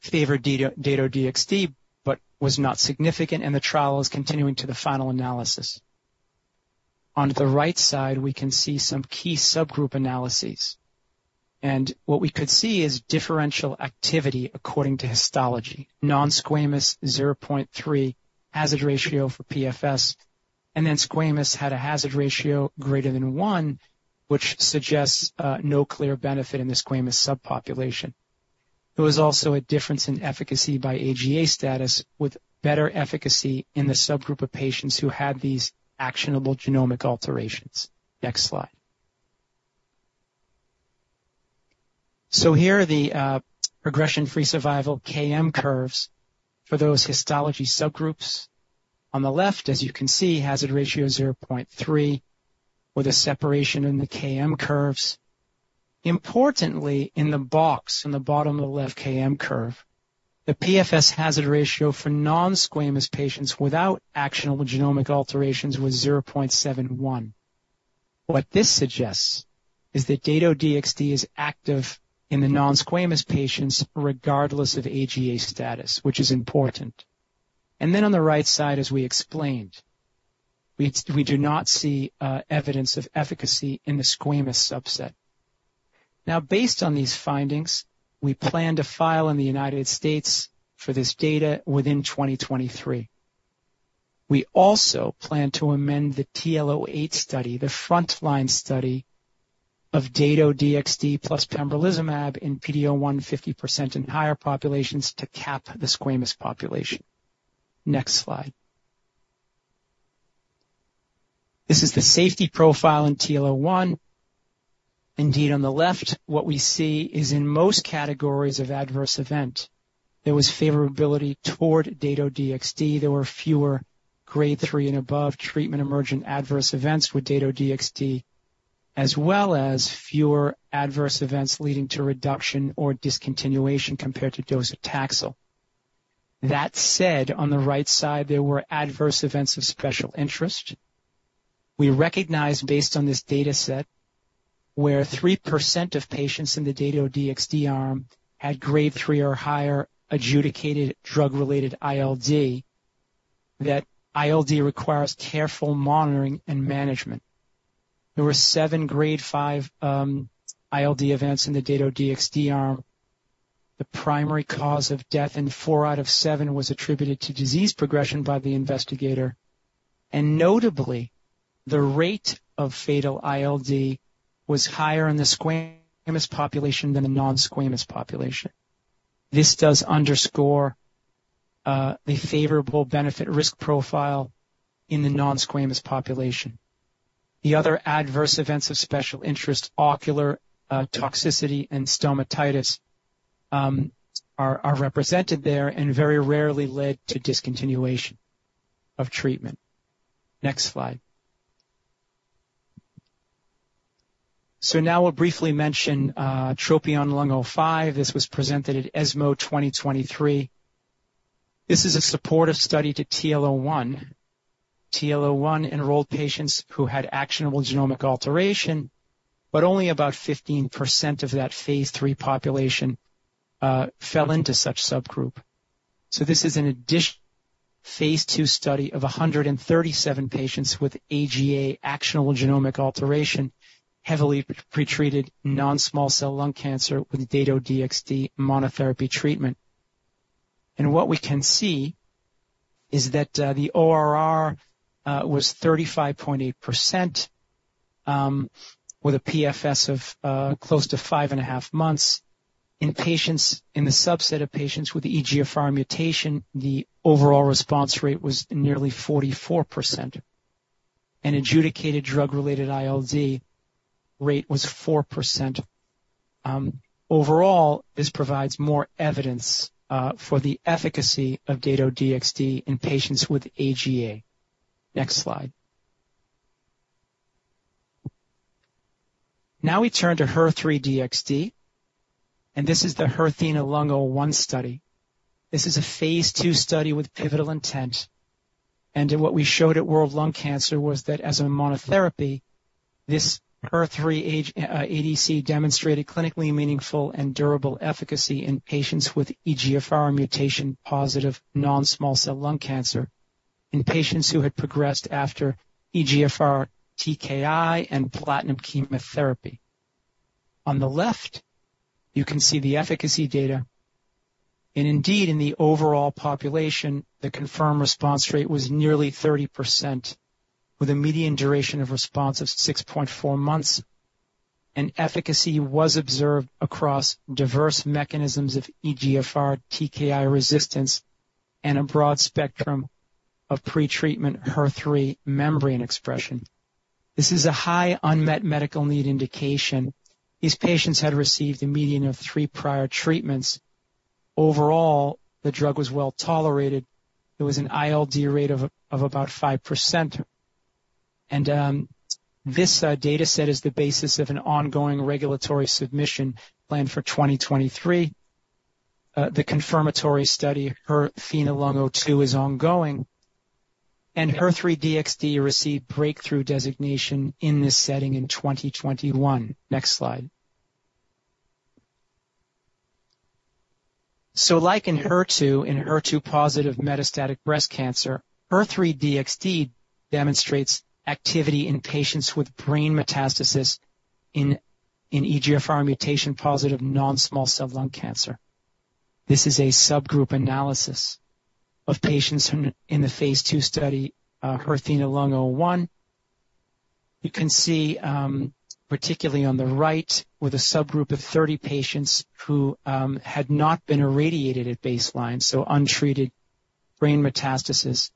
favored Dato-DXd but was not significant, and the trial is continuing to the final analysis. On the right side, we can see some key subgroup analyses, and what we could see is differential activity according to histology. Nonsquamous, 0.3 hazard ratio for PFS, and then squamous had a hazard ratio greater than 1, which suggests no clear benefit in the squamous subpopulation. There was also a difference in efficacy by AGA status, with better efficacy in the subgroup of patients who had these actionable genomic alterations. Next slide. So here are the progression-free survival KM curves for those histology subgroups. On the left, as you can see, hazard ratio of 0.3, with a separation in the KM curves. Importantly, in the box in the bottom left KM curve, the PFS hazard ratio for nonsquamous patients without actionable genomic alterations was 0.71. What this suggests is that Dato-DXd is active in the nonsquamous patients, regardless of AGA status, which is important. And then on the right side, as we explained, we, we do not see evidence of efficacy in the squamous subset. Now, based on these findings, we plan to file in the United States for this data within 2023. We also plan to amend the TROPION-08 study, the frontline study of Dato-DXd plus pembrolizumab in PD-L1 50% or higher populations to cap the squamous population. Next slide. This is the safety profile in TROPION-01. Indeed, on the left, what we see is in most categories of adverse event, there was favorability toward Dato-DXd. There were fewer grade 3 and above treatment-emergent adverse events with Dato-DXd, as well as fewer adverse events leading to reduction or discontinuation compared to docetaxel. That said, on the right side, there were adverse events of special interest. We recognize, based on this data set, where 3% of patients in the Dato-DXd arm had grade 3 or higher adjudicated drug-related ILD, that ILD requires careful monitoring and management. There were seven grade 5 ILD events in the Dato-DXd arm. The primary cause of death in 4 out of 7 was attributed to disease progression by the investigator. Notably, the rate of fatal ILD was higher in the squamous population than the nonsquamous population. This does underscore a favorable benefit risk profile in the nonsquamous population. The other adverse events of special interest, ocular toxicity and stomatitis, are represented there and very rarely led to discontinuation of treatment. Next slide. Now we'll briefly mention TROPION-Lung05. This was presented at ESMO 2023. This is a supportive study to TL01. TL01 enrolled patients who had actionable genomic alteration, but only about 15% of that phase III population fell into such subgroup. This is an additional phase II study of 137 patients with AGA, Actionable Genomic Alteration, heavily pretreated, non-small cell lung cancer with Dato-DXd monotherapy treatment. What we can see is that the ORR was 35.8%, with a PFS of close to 5.5 months. In patients in the subset of patients with EGFR mutation, the overall response rate was nearly 44%, and adjudicated drug-related ILD rate was 4%. Overall, this provides more evidence for the efficacy of Dato-DXd in patients with AGA. Next slide. Now we turn to HER3-DXd, and this is the HERTHENA-Lung01 study. This is a phase II study with pivotal intent, and what we showed at World Lung Cancer was that as a monotherapy, this HER3-DXd, demonstrated clinically meaningful and durable efficacy in patients with EGFR mutation-positive non-small cell lung cancer in patients who had progressed after EGFR TKI and platinum chemotherapy. On the left, you can see the efficacy data, and indeed, in the overall population, the confirmed response rate was nearly 30%, with a median duration of response of 6.4 months, and efficacy was observed across diverse mechanisms of EGFR TKI resistance and a broad spectrum of pretreatment HER3 membrane expression. This is a high unmet medical need indication. These patients had received a median of 3 prior treatments. Overall, the drug was well tolerated. There was an ILD rate of about 5%, and this data set is the basis of an ongoing regulatory submission planned for 2023. The confirmatory study, HERTHENA-Lung 02, is ongoing, and HER3-DXd received breakthrough designation in this setting in 2021. Next slide. So like in HER2, in HER2-positive metastatic breast cancer, HER3-DXd demonstrates activity in patients with brain metastasis in EGFR mutation-positive non-small cell lung cancer. This is a subgroup analysis of patients in the phase II study, HERTHENA-Lung01. You can see, particularly on the right, with a subgroup of 30 patients who had not been irradiated at baseline, so untreated brain metastasis.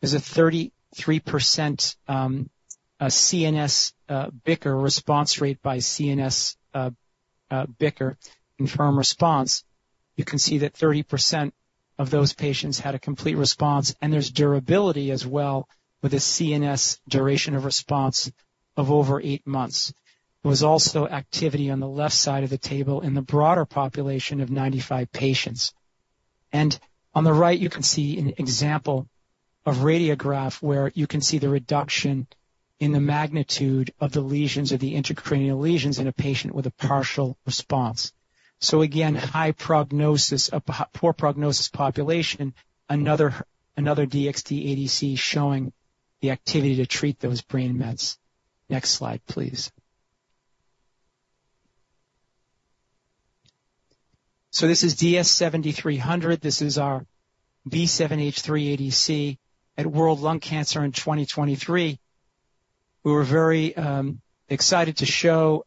There's a 33% CNS BICR response rate by CNS BICR confirm response. You can see that 30% of those patients had a complete response, and there's durability as well, with a CNS duration of response of over eight months. There was also activity on the left side of the table in the broader population of 95 patients. On the right, you can see an example of radiograph, where you can see the reduction in the magnitude of the lesions or the intracranial lesions in a patient with a partial response. So again, poor prognosis population, another DXd-ADC, showing the activity to treat those brain mets. Next slide, please. So this is DS-7300. This is our B7-H3 ADC at World Lung Cancer in 2023. We were very excited to show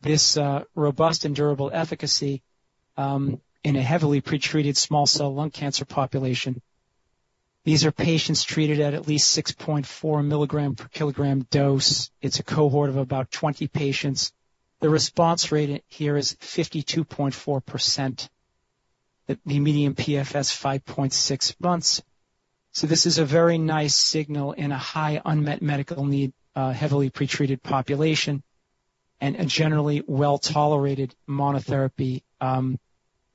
this robust and durable efficacy in a heavily pretreated small cell lung cancer population. These are patients treated at least 6.4 mg/kg dose. It's a cohort of about 20 patients. The response rate here is 52.4%, the median PFS 5.6 months. So this is a very nice signal in a high unmet medical need heavily pretreated population and a generally well-tolerated monotherapy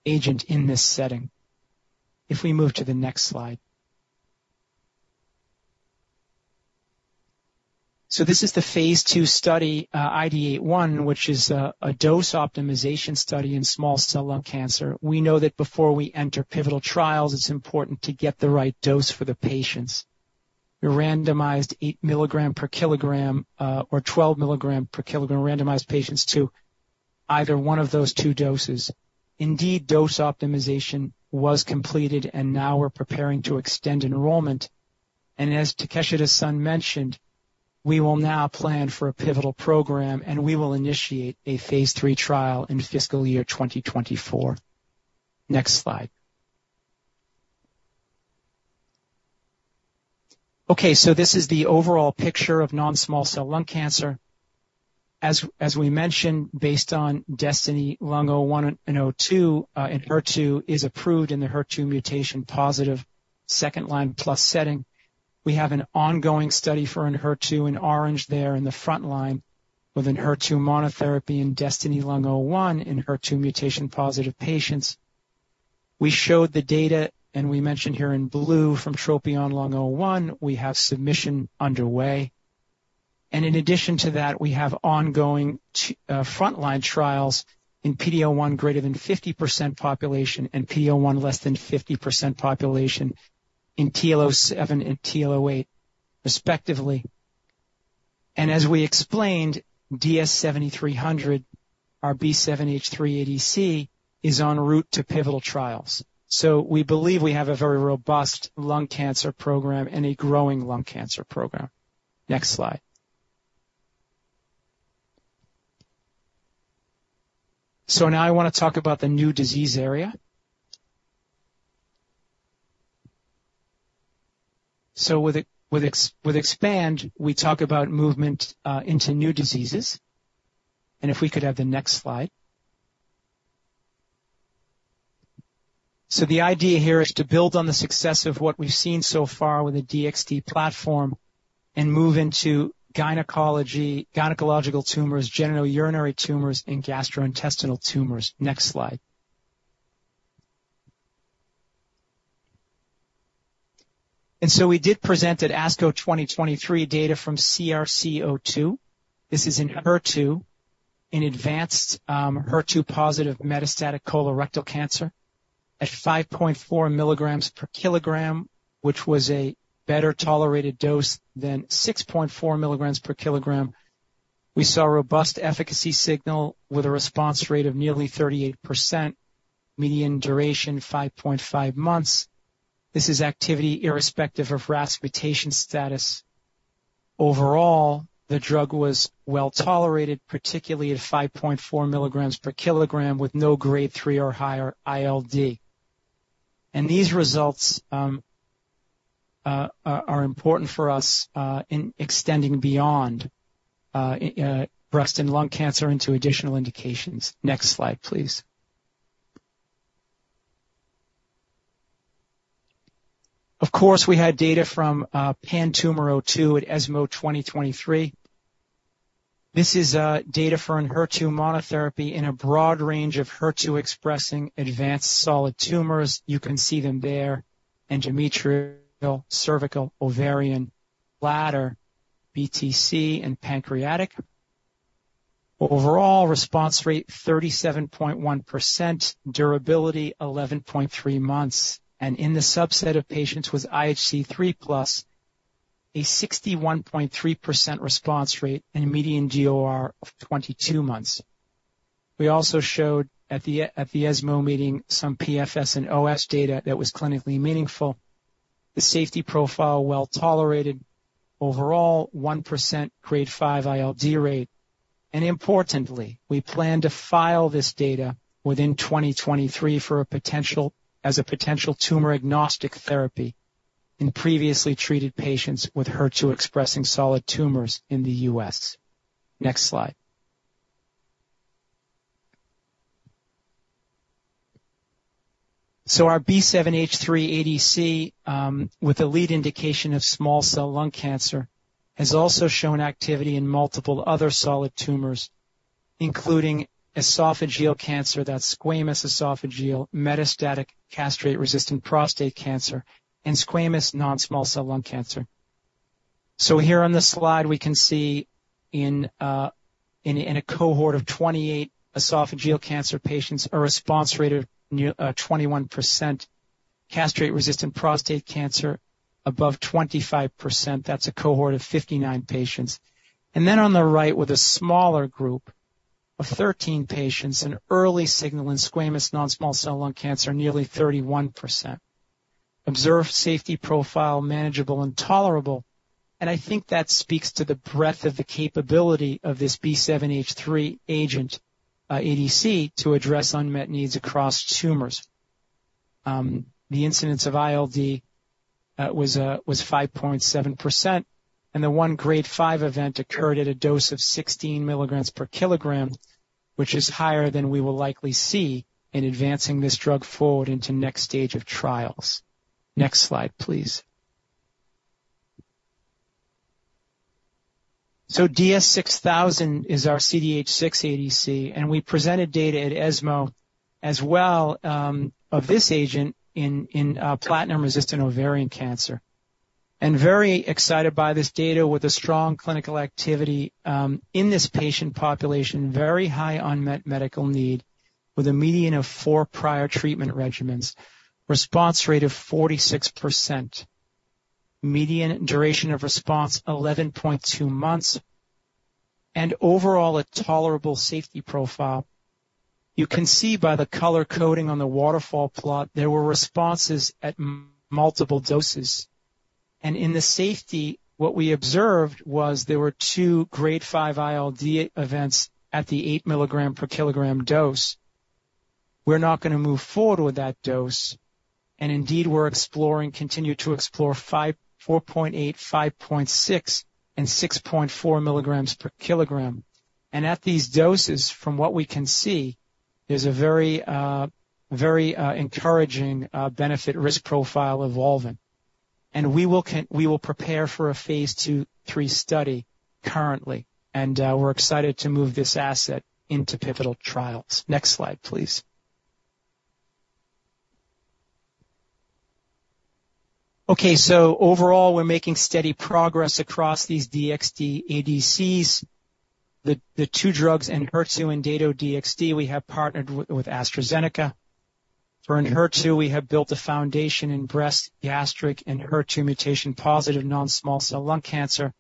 agent in this setting. If we move to the next slide. So this is the phase II study IDeate-1, which is a dose optimization study in small cell lung cancer. We know that before we enter pivotal trials, it's important to get the right dose for the patients. We randomized 8 mg/kg or 12 mg/kg, randomized patients to either one of those two doses. Indeed, dose optimization was completed, and now we're preparing to extend enrollment. As Takeshita-san mentioned, we will now plan for a pivotal program, and we will initiate a phase III trial in fiscal year 2024. Next slide. Okay, so this is the overall picture of non-small cell lung cancer. As we mentioned, based on DESTINY-Lung01 and 02, Enhertu is approved in the HER2 mutation-positive second-line plus setting. We have an ongoing study for Enhertu in orange there in the front line, with Enhertu monotherapy in DESTINY-Lung01 in HER2 mutation-positive patients. We showed the data, and we mentioned here in blue from TROPION-Lung01, we have submission underway. And in addition to that, we have ongoing frontline trials in PD-L1 greater than 50% population and PD-L1 less than 50% population in TROPION-Lung07 and TROPION-Lung08, respectively. And as we explained, DS-7300, our B7-H3 ADC, is en route to pivotal trials. So we believe we have a very robust lung cancer program and a growing lung cancer program. Next slide. So now I want to talk about the new disease area. So with expansion, we talk about movement into new diseases. And if we could have the next slide. So the idea here is to build on the success of what we've seen so far with the DXd platform and move into gynecology, gynecological tumors, genitourinary tumors, and gastrointestinal tumors. Next slide. And so we did present at ASCO 2023 data from CRC02. This is in HER2, in advanced, HER2-positive metastatic colorectal cancer at 5.4 mg/kg, which was a better-tolerated dose than 6.4 mg/kg. We saw a robust efficacy signal with a response rate of nearly 38%, median duration, 5.5 months. This is activity irrespective of RAS mutation status. Overall, the drug was well tolerated, particularly at 5.4 mg/kg, with no grade 3 or higher ILD. And these results are important for us in extending beyond breast and lung cancer into additional indications. Next slide, please. Of course, we had data from PanTumor-02 at ESMO 2023. This is data for an HER2 monotherapy in a broad range of HER2-expressing advanced solid tumors. You can see them there, endometrial, cervical, ovarian, bladder, BTC, and pancreatic. Overall response rate, 37.1%, durability, 11.3 months. And in the subset of patients with IHC 3+, a 61.3% response rate and a median DOR of 22 months. We also showed at the ESMO meeting some PFS and OS data that was clinically meaningful. The safety profile, well tolerated. Overall, 1% grade 5 ILD rate. And importantly, we plan to file this data within 2023 for a potential as a potential tumor-agnostic therapy in previously treated patients with HER2-expressing solid tumors in the U.S. Next slide. Our B7-H3 ADC, with a lead indication of small cell lung cancer, has also shown activity in multiple other solid tumors, including esophageal cancer, that's squamous esophageal, metastatic castration-resistant prostate cancer, and squamous non-small cell lung cancer. Here on this slide, we can see in a cohort of 28 esophageal cancer patients, a response rate of near 21%, castration-resistant prostate cancer above 25%. That's a cohort of 59 patients. And then on the right, with a smaller group of 13 patients, an early signal in squamous non-small cell lung cancer, nearly 31%. Observed safety profile, manageable and tolerable. And I think that speaks to the breadth of the capability of this B7-H3 agent, ADC, to address unmet needs across tumors. The incidence of ILD was 5.7%, and the one grade 5 event occurred at a dose of 16 milligrams per kilogram, which is higher than we will likely see in advancing this drug forward into next stage of trials. Next slide, please. So DS-6000 is our CDH6 ADC, and we presented data at ESMO as well, of this agent in platinum-resistant ovarian cancer. Very excited by this data with a strong clinical activity, in this patient population, very high unmet medical need, with a median of four prior treatment regimens. Response rate of 46%, median duration of response, 11.2 months, and overall, a tolerable safety profile. You can see by the color coding on the waterfall plot, there were responses at multiple doses and in the safety, what we observed was there were 2 grade 5 ILD events at the 8 mg/kg dose. We're not going to move forward with that dose, and indeed, we're exploring, continue to explore 5, 4.8, 5.6, and 6.4 mg/kg. And at these doses, from what we can see, there's a very, very, encouraging, benefit-risk profile evolving. And we will prepare for a phase II, III study currently, and, we're excited to move this asset into pivotal trials. Next slide, please. Okay, so overall, we're making steady progress across these DXd-ADCs. The two drugs, Enhertu and Dato-DXd, we have partnered with AstraZeneca. For Enhertu, we have built a foundation in breast, gastric, and HER2 mutation-positive non-small cell lung cancer.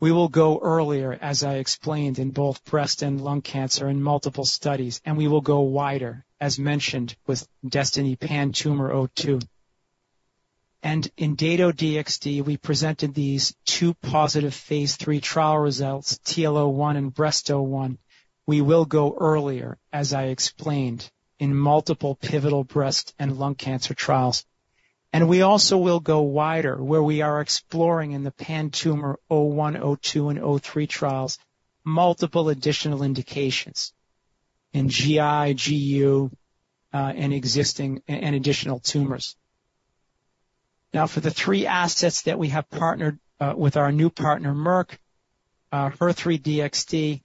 We will go earlier, as I explained, in both breast and lung cancer in multiple studies, and we will go wider, as mentioned, with DESTINY-PanTumor02. In Dato-DXd, we presented these two positive phase III trial results, TROPION-Lung01 and TROPION-Breast01. We will go earlier, as I explained, in multiple pivotal breast and lung cancer trials. We also will go wider, where we are exploring in the PanTumor01, 02, and 03 trials, multiple additional indications in GI, GU, and additional tumors. Now, for the three assets that we have partnered with our new partner, Merck, HER3-DXd,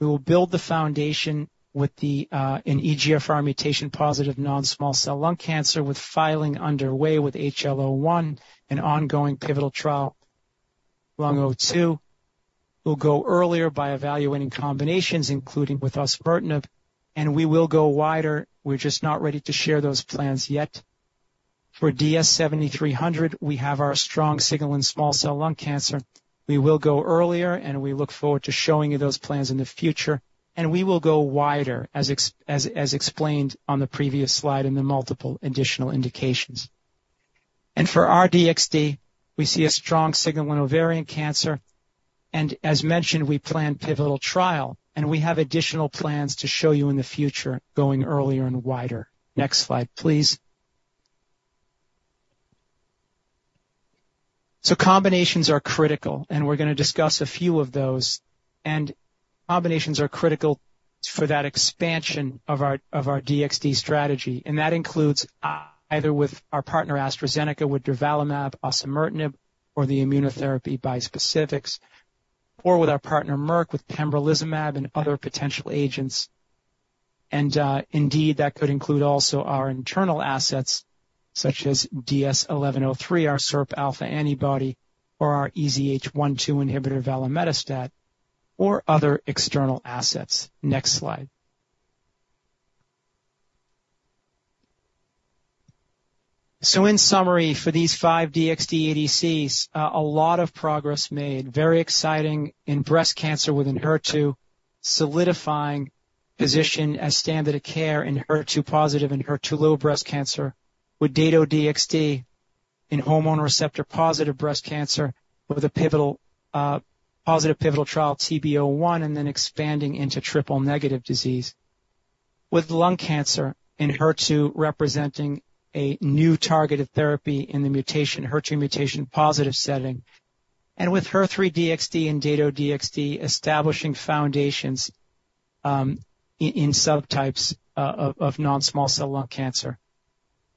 we will build the foundation with an EGFR mutation-positive non-small cell lung cancer, with filing underway with HER3-Lung01, an ongoing pivotal trial, Lung02. We'll go earlier by evaluating combinations, including with osimertinib, and we will go wider. We're just not ready to share those plans yet. For DS-7300, we have our strong signal in small cell lung cancer. We will go earlier, and we look forward to showing you those plans in the future, and we will go wider, as explained on the previous slide in the multiple additional indications. And for R-DXd, we see a strong signal in ovarian cancer, and as mentioned, we plan pivotal trial, and we have additional plans to show you in the future, going earlier and wider. Next slide, please. So combinations are critical, and we're going to discuss a few of those. Combinations are critical for that expansion of our, of our DXd strategy, and that includes, either with our partner, AstraZeneca, with durvalumab, osimertinib, or the immunotherapy bispecifics, or with our partner, Merck, with pembrolizumab and other potential agents. Indeed, that could include also our internal assets, such as DS-1103, our SIRP alpha antibody, or our EZH1/2 inhibitor, valemetostat, or other external assets. Next slide. So in summary, for these five DXd-ADCs, a lot of progress made. Very exciting in breast cancer with Enhertu, solidifying position as standard of care in HER2-positive and HER2-low breast cancer. With Dato-DXd in hormone receptor-positive breast cancer, with a pivotal, positive pivotal trial, T-B01, and then expanding into triple-negative disease. With lung cancer, in HER2, representing a new targeted therapy in the mutation, HER2 mutation-positive setting. With HER3-DXd and Dato-DXd, establishing foundations in subtypes of non-small cell lung cancer,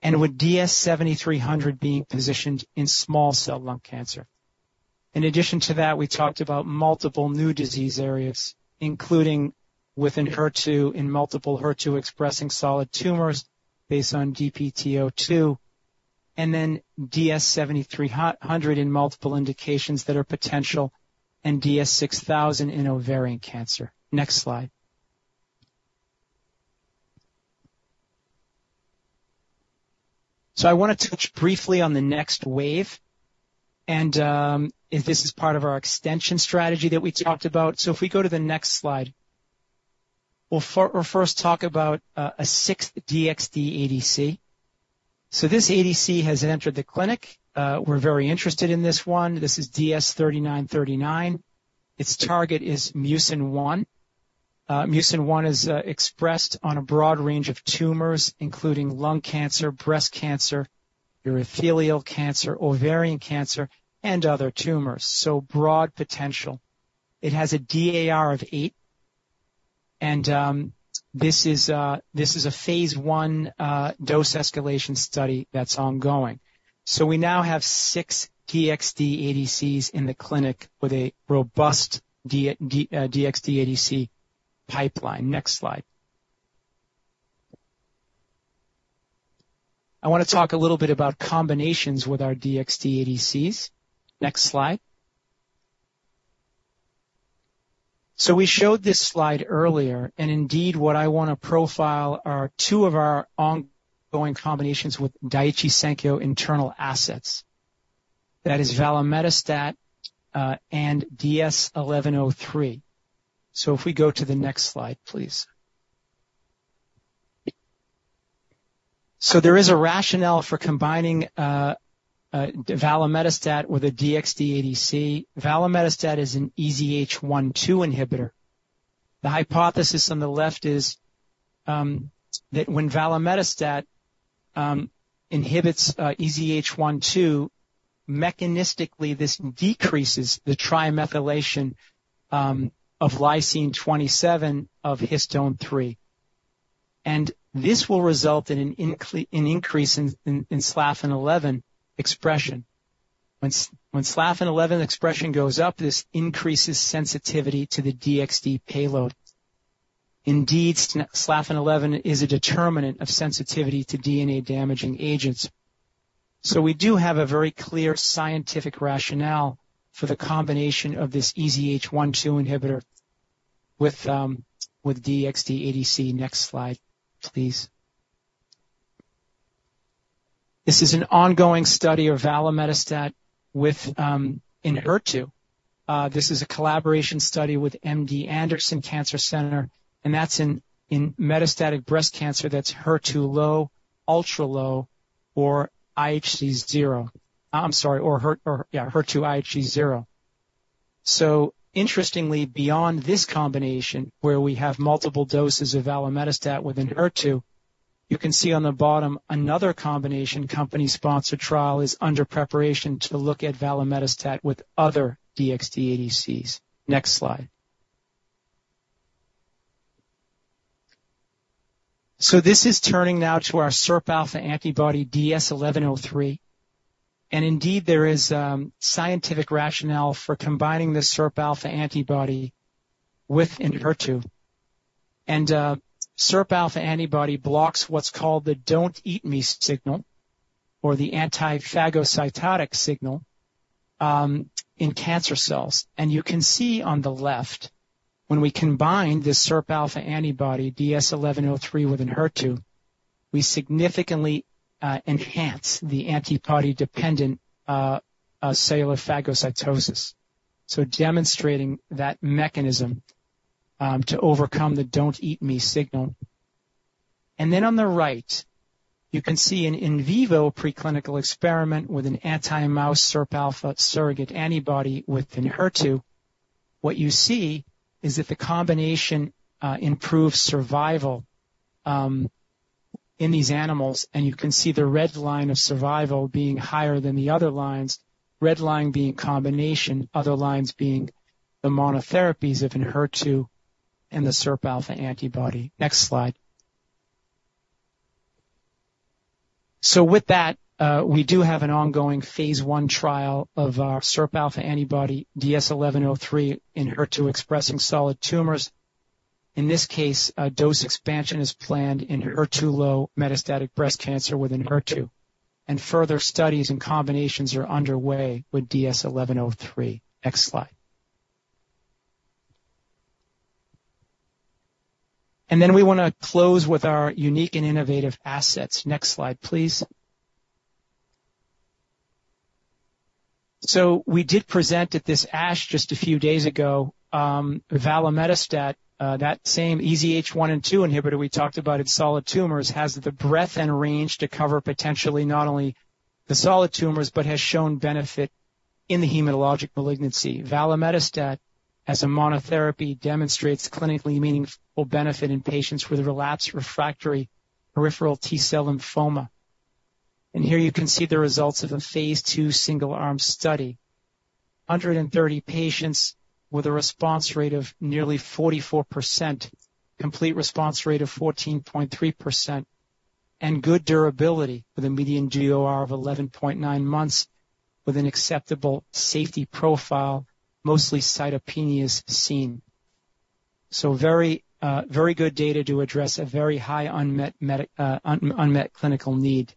and with DS-7300 being positioned in small cell lung cancer. In addition to that, we talked about multiple new disease areas, including within HER2, in multiple HER2-expressing solid tumors based on DP02, and then DS-7300 in multiple indications that are potential, and DS-6000 in ovarian cancer. Next slide. So I want to touch briefly on the next wave, and if this is part of our extension strategy that we talked about. So if we go to the next slide. We'll first talk about a sixth DXd ADC. So this ADC has entered the clinic. We're very interested in this one. This is DS-3939. Its target is mucin 1. Mucin 1 is expressed on a broad range of tumors, including lung cancer, breast cancer, urothelial cancer, ovarian cancer, and other tumors. So broad potential. It has a DAR of 8, and this is a phase I dose escalation study that's ongoing. So we now have 6 DXd-ADCs in the clinic with a robust DXd-ADC pipeline. Next slide. I want to talk a little bit about combinations with our DXd-ADCs. Next slide. So we showed this slide earlier, and indeed, what I want to profile are two of our ongoing combinations with Daiichi Sankyo internal assets. That is valemetostat and DS-1103. So if we go to the next slide, please. So there is a rationale for combining valemetostat with a DXd ADC. Valemetostat is an EZH1/2 inhibitor. The hypothesis on the left is, that when valemetostat inhibits, EZH1/2, mechanistically, this decreases the trimethylation, of lysine 27 of histone 3. And this will result in an increase in, SLFN11 expression. When SLFN11 expression goes up, this increases sensitivity to the DXd payload. Indeed, SLFN11 is a determinant of sensitivity to DNA-damaging agents. So we do have a very clear scientific rationale for the combination of this EZH1/2 inhibitor with, with DXd ADC. Next slide, please. This is an ongoing study of valemetostat with, in HER2. This is a collaboration study with MD Anderson Cancer Center, and that's in, metastatic breast cancer that's HER2 low, ultra low, or IHC zero. I'm sorry, or HER2 IHC zero. So interestingly, beyond this combination, where we have multiple doses of valemetostat with an HER2, you can see on the bottom another combination company-sponsored trial is under preparation to look at valemetostat with other DXd-ADCs. Next slide. So this is turning now to our SIRPα antibody, DS-1103, and indeed, there is scientific rationale for combining this SIRPα antibody with an HER2. And SIRPα antibody blocks what's called the "don't eat me" signal, or the anti-phagocytotic signal, in cancer cells. And you can see on the left, when we combine this SIRPα antibody, DS-1103, with an HER2, we significantly enhance the antibody-dependent cellular phagocytosis. So demonstrating that mechanism to overcome the "don't eat me" signal. And then on the right, you can see an in vivo preclinical experiment with an anti-mouse SIRPα surrogate antibody with an HER2. What you see is that the combination improves survival in these animals, and you can see the red line of survival being higher than the other lines. Red line being combination, other lines being the monotherapies of an HER2 and the SIRPα antibody. Next slide. So with that, we do have an ongoing phase I trial of our SIRPα antibody, DS-1103, in HER2 expressing solid tumors. In this case, a dose expansion is planned in HER2-low metastatic breast cancer with an HER2, and further studies and combinations are underway with DS-1103. Next slide. And then we wanna close with our unique and innovative assets. Next slide, please. So we did present at this ASH just a few days ago, valemetostat, that same EZH1/2 inhibitor we talked about in solid tumors, has the breadth and range to cover potentially not only the solid tumors, but has shown benefit in the hematologic malignancy. Valemetostat, as a monotherapy, demonstrates clinically meaningful benefit in patients with relapsed refractory peripheral T-cell lymphoma. And here you can see the results of a phase II single-arm study. 130 patients with a response rate of nearly 44%, complete response rate of 14.3%, and good durability, with a median DOR of 11.9 months, with an acceptable safety profile, mostly cytopenias seen. So very, very good data to address a very high unmet clinical need,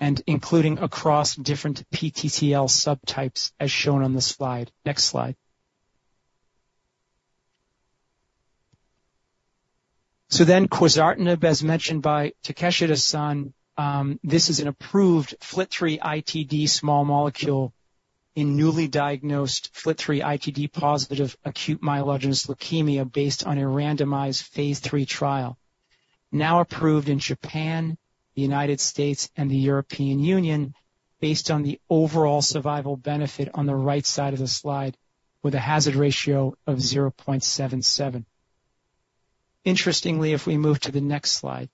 and including across different PTCL subtypes, as shown on this slide. Next slide. Quizartinib, as mentioned by Takeshita-san, this is an approved FLT3-ITD small molecule in newly diagnosed FLT3-ITD-positive acute myelogenous leukemia, based on a randomized phase III trial. Now approved in Japan, the United States, and the European Union, based on the overall survival benefit on the right side of the slide, with a hazard ratio of 0.77. Interestingly, if we move to the next slide.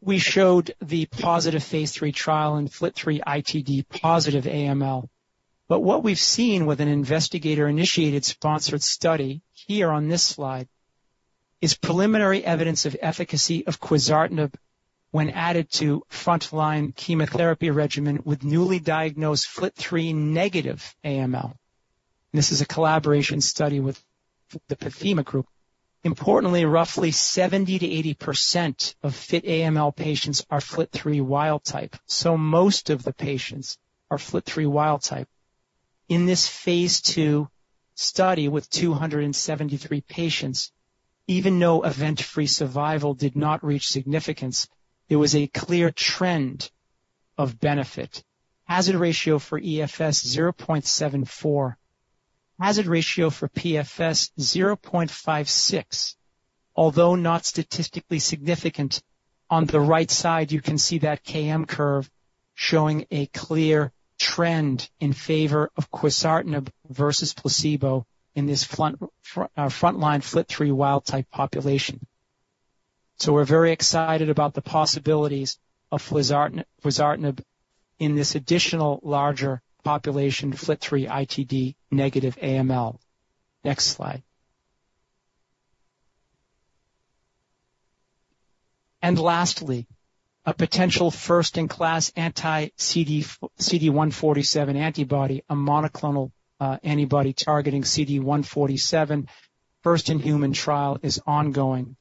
We showed the positive phase III trial in FLT3-ITD-positive AML. But what we've seen with an investigator-initiated sponsored study, here on this slide, is preliminary evidence of efficacy of quizartinib when added to frontline chemotherapy regimen with newly diagnosed FLT3-negative AML. This is a collaboration study with the PETHEMA Group. Importantly, roughly 70%-80% of FLT3 AML patients are FLT3 wild-type, so most of the patients are FLT3 wild-type. In this phase II study with 273 patients, even though event-free survival did not reach significance, there was a clear trend of benefit. Hazard ratio for EFS, 0.74. Hazard ratio for PFS, 0.56. Although not statistically significant, on the right side, you can see that KM curve showing a clear trend in favor of quizartinib versus placebo in this frontline FLT3 wild-type population. So we're very excited about the possibilities of quizartinib in this additional larger population, FLT3-ITD negative AML. Next slide. Lastly, a potential first-in-class anti-CD147 antibody, a monoclonal antibody targeting CD147, first-in-human trial is ongoing.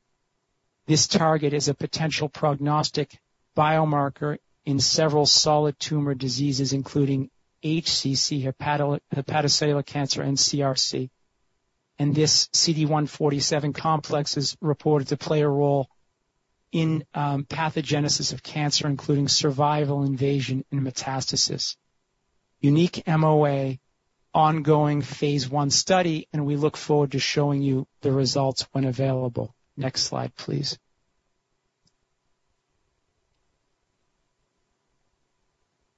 This target is a potential prognostic biomarker in several solid tumor diseases, including HCC, hepatocellular cancer and CRC. This CD147 complex is reported to play a role in pathogenesis of cancer, including survival, invasion, and metastasis. Unique MOA, ongoing phase I study, and we look forward to showing you the results when available. Next slide, please.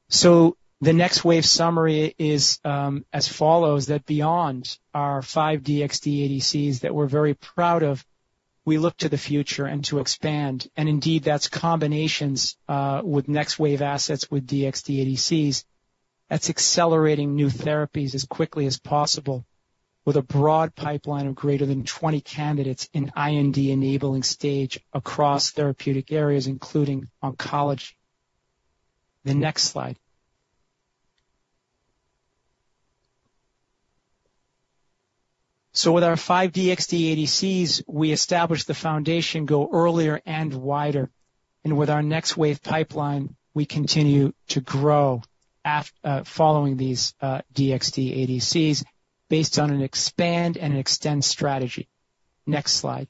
So the next wave summary is as follows, that beyond our 5 DXd-ADCs that we're very proud of, we look to the future and to expand, and indeed, that's combinations with next wave assets with DXd-ADCs. That's accelerating new therapies as quickly as possible, with a broad pipeline of greater than 20 candidates in IND enabling stage across therapeutic areas, including oncology. The next slide. So with our 5 DXd-ADCs, we establish the foundation, go earlier and wider, and with our next wave pipeline, we continue to grow following these DXd-ADCs based on an Expand and Extend strategy. Next slide.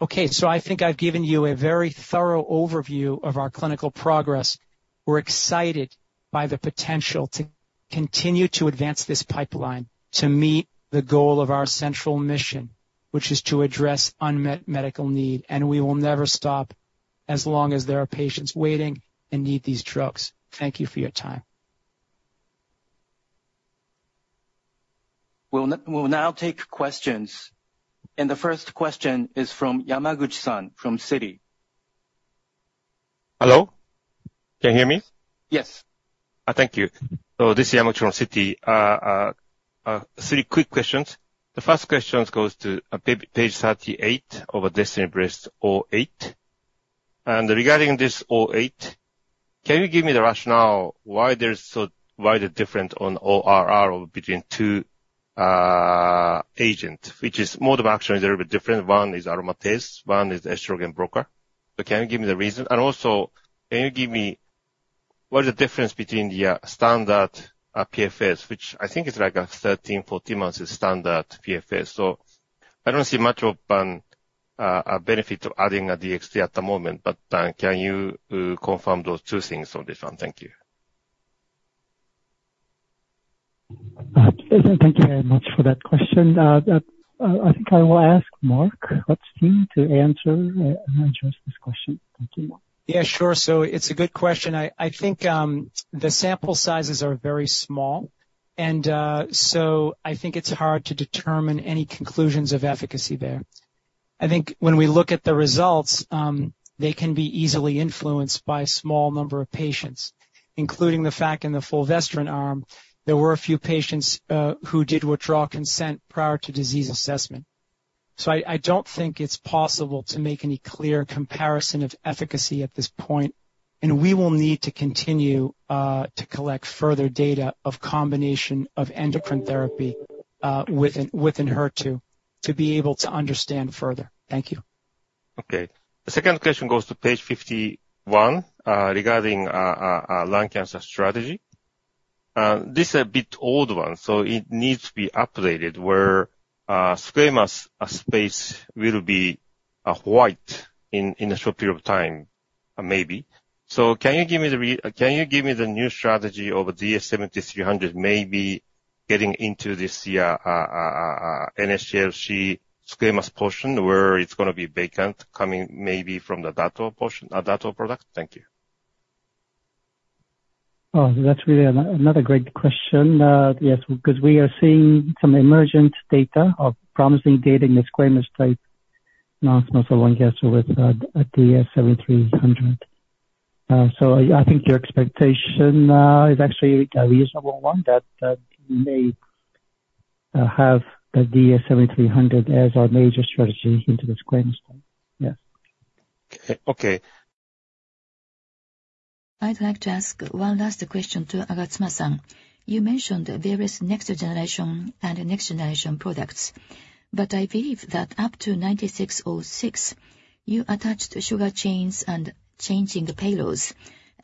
Okay, so I think I've given you a very thorough overview of our clinical progress. We're excited by the potential to continue to advance this pipeline to meet the goal of our central mission, which is to address unmet medical need, and we will never stop as long as there are patients waiting and need these drugs. Thank you for your time. We will now take questions, and the first question is from Yamaguchi-san from Citi. Hello, can you hear me? Yes. Thank you. So this is Yamaguchi from Citi. Three quick questions. The first question goes to page 38 of DESTINY-Breast08. And regarding this O8, can you give me the rationale why there's so, why the difference on ORR between two agents, which is mode of action is a little bit different? One is aromatase, one is estrogen blocker. So can you give me the reason? And also, can you give me what is the difference between the standard PFS, which I think is like 13-14 months is standard PFS. So I don't see much of an a benefit of adding a DXd at the moment, but can you confirm those two things on this one? Thank you. Thank you very much for that question. I think I will ask Mark Rutstein to answer, address this question. Thank you. Yeah, sure. So it's a good question. I think the sample sizes are very small, and so I think it's hard to determine any conclusions of efficacy there. I think when we look at the results, they can be easily influenced by a small number of patients, including the fact in the fulvestrant arm, there were a few patients who did withdraw consent prior to disease assessment. So I don't think it's possible to make any clear comparison of efficacy at this point, and we will need to continue to collect further data of combination of endocrine therapy within HER2 to be able to understand further. Thank you. Okay. The second question goes to page 51, regarding lung cancer strategy. This is a bit old one, so it needs to be updated, where squamous space will be white in a short period of time, maybe. So can you give me the new strategy of DS-7300 maybe getting into this NSCLC squamous portion, where it's gonna be vacant, coming maybe from the dato portion, dato product? Thank you. That's really another great question. Yes, because we are seeing some emerging data of promising data in the squamous type non-small cell lung cancer with DS-7300. So I think your expectation is actually a reasonable one, that we may have the DS-7300 as our major strategy into the squamous type. Yes. Okay. I'd like to ask one last question to Agatsuma-san. You mentioned various next generation and next generation products, but I believe that up to DS-9606, you attached sugar chains and changing the payloads,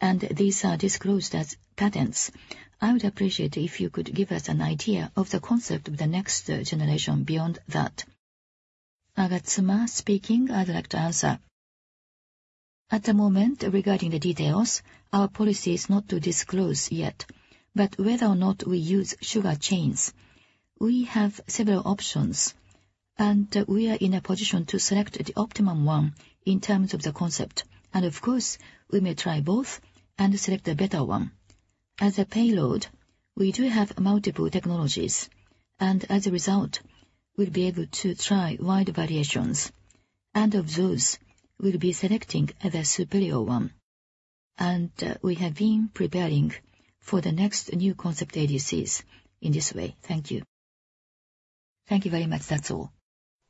and these are disclosed as patents. I would appreciate if you could give us an idea of the concept of the next generation beyond that. Agatsuma speaking. I'd like to answer. At the moment, regarding the details, our policy is not to disclose yet. But whether or not we use sugar chains, we have several options, and we are in a position to select the optimum one in terms of the concept. And of course, we may try both and select a better one. As a payload, we do have multiple technologies, and as a result, we'll be able to try wide variations, and of those, we'll be selecting the superior one. We have been preparing for the next new concept ADCs in this way. Thank you. Thank you very much. That's all.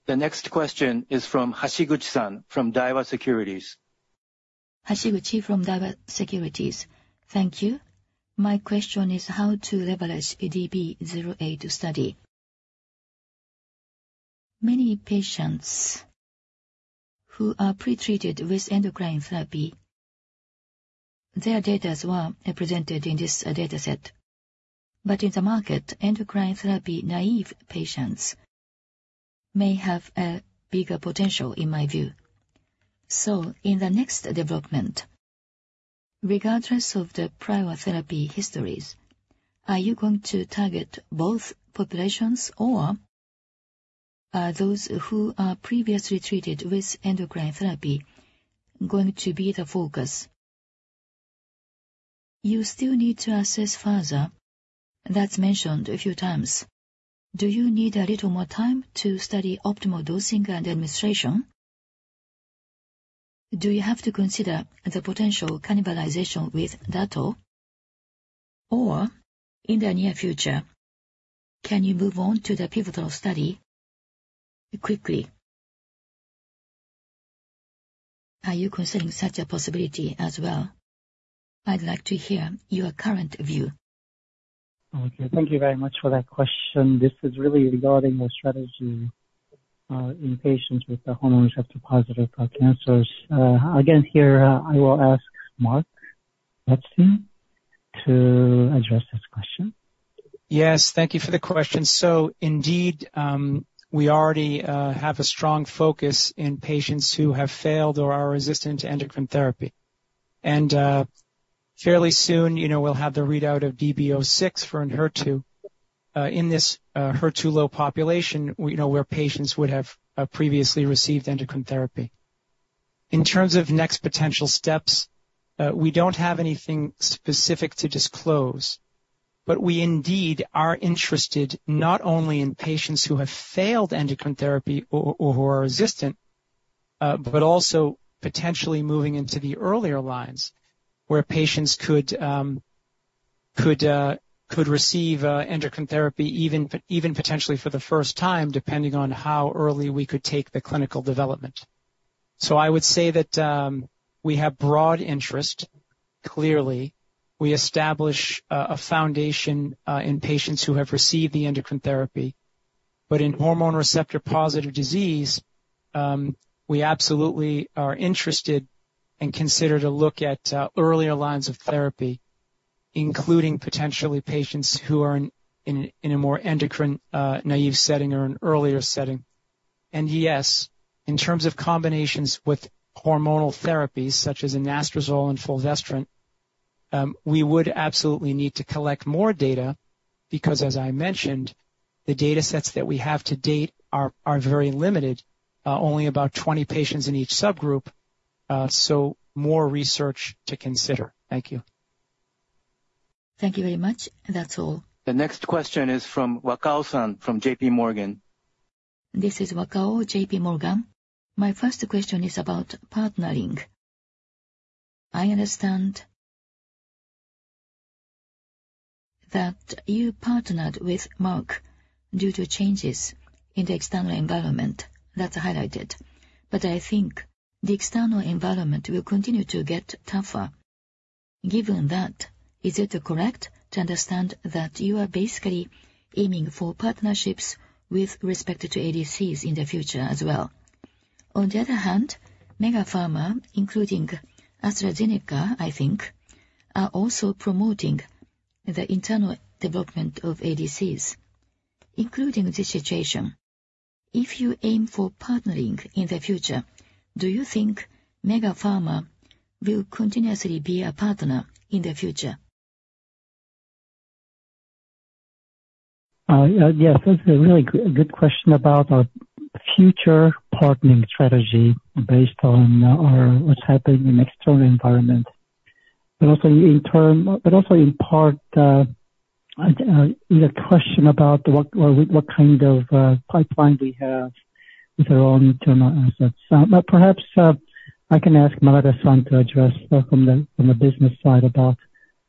The next question is from Hashiguchi-san, from Daiwa Securities. Hashiguchi from Daiwa Securities. Thank you. My question is how to leverage DESTINY-Breast08 study. Many patients who are pre-treated with endocrine therapy, their data as well are presented in this data set. But in the market, endocrine therapy, naive patients may have a bigger potential, in my view. So in the next development, regardless of the prior therapy histories, are you going to target both populations, or are those who are previously treated with endocrine therapy going to be the focus? You still need to assess further. That's mentioned a few times. Do you need a little more time to study optimal dosing and administration? Do you have to consider the potential cannibalization with dato? Or in the near future, can you move on to the pivotal study quickly? Are you considering such a possibility as well? I'd like to hear your current view. Okay, thank you very much for that question. This is really regarding the strategy in patients with hormone receptor-positive cancers. Again, here, I will ask Mark Rutstein to address this question. Yes, thank you for the question. So indeed, we already have a strong focus in patients who have failed or are resistant to endocrine therapy. And fairly soon, you know, we'll have the readout of DB06 for Enhertu in this HER2-low population, we know where patients would have previously received endocrine therapy. In terms of next potential steps, we don't have anything specific to disclose, but we indeed are interested not only in patients who have failed endocrine therapy or who are resistant, but also potentially moving into the earlier lines where patients could receive endocrine therapy, even potentially for the first time, depending on how early we could take the clinical development. So I would say that we have broad interest. Clearly, we establish a foundation in patients who have received the endocrine therapy. But in hormone receptor-positive disease, we absolutely are interested and consider to look at earlier lines of therapy, including potentially patients who are in a more endocrine naive setting or an earlier setting. And yes, in terms of combinations with hormonal therapies such as anastrozole and fulvestrant, we would absolutely need to collect more data, because as I mentioned, the data sets that we have to date are very limited, only about 20 patients in each subgroup. So more research to consider. Thank you. Thank you very much. That's all. The next question is from Wakao-san, from JP Morgan. This is Wakao, JPMorgan. My first question is about partnering. I understand... that you partnered with Merck due to changes in the external environment. That's highlighted, but I think the external environment will continue to get tougher. Given that, is it correct to understand that you are basically aiming for partnerships with respect to ADCs in the future as well? On the other hand, Mega Pharma, including AstraZeneca, I think, are also promoting the internal development of ADCs, including this situation. If you aim for partnering in the future, do you think Mega Pharma will continuously be a partner in the future? Yeah, yes, that's a really good question about our future partnering strategy based on what's happening in external environment, but also in term, but also in part, in a question about what kind of pipeline we have with our own internal assets. But perhaps I can ask Manabe-san to address from the business side about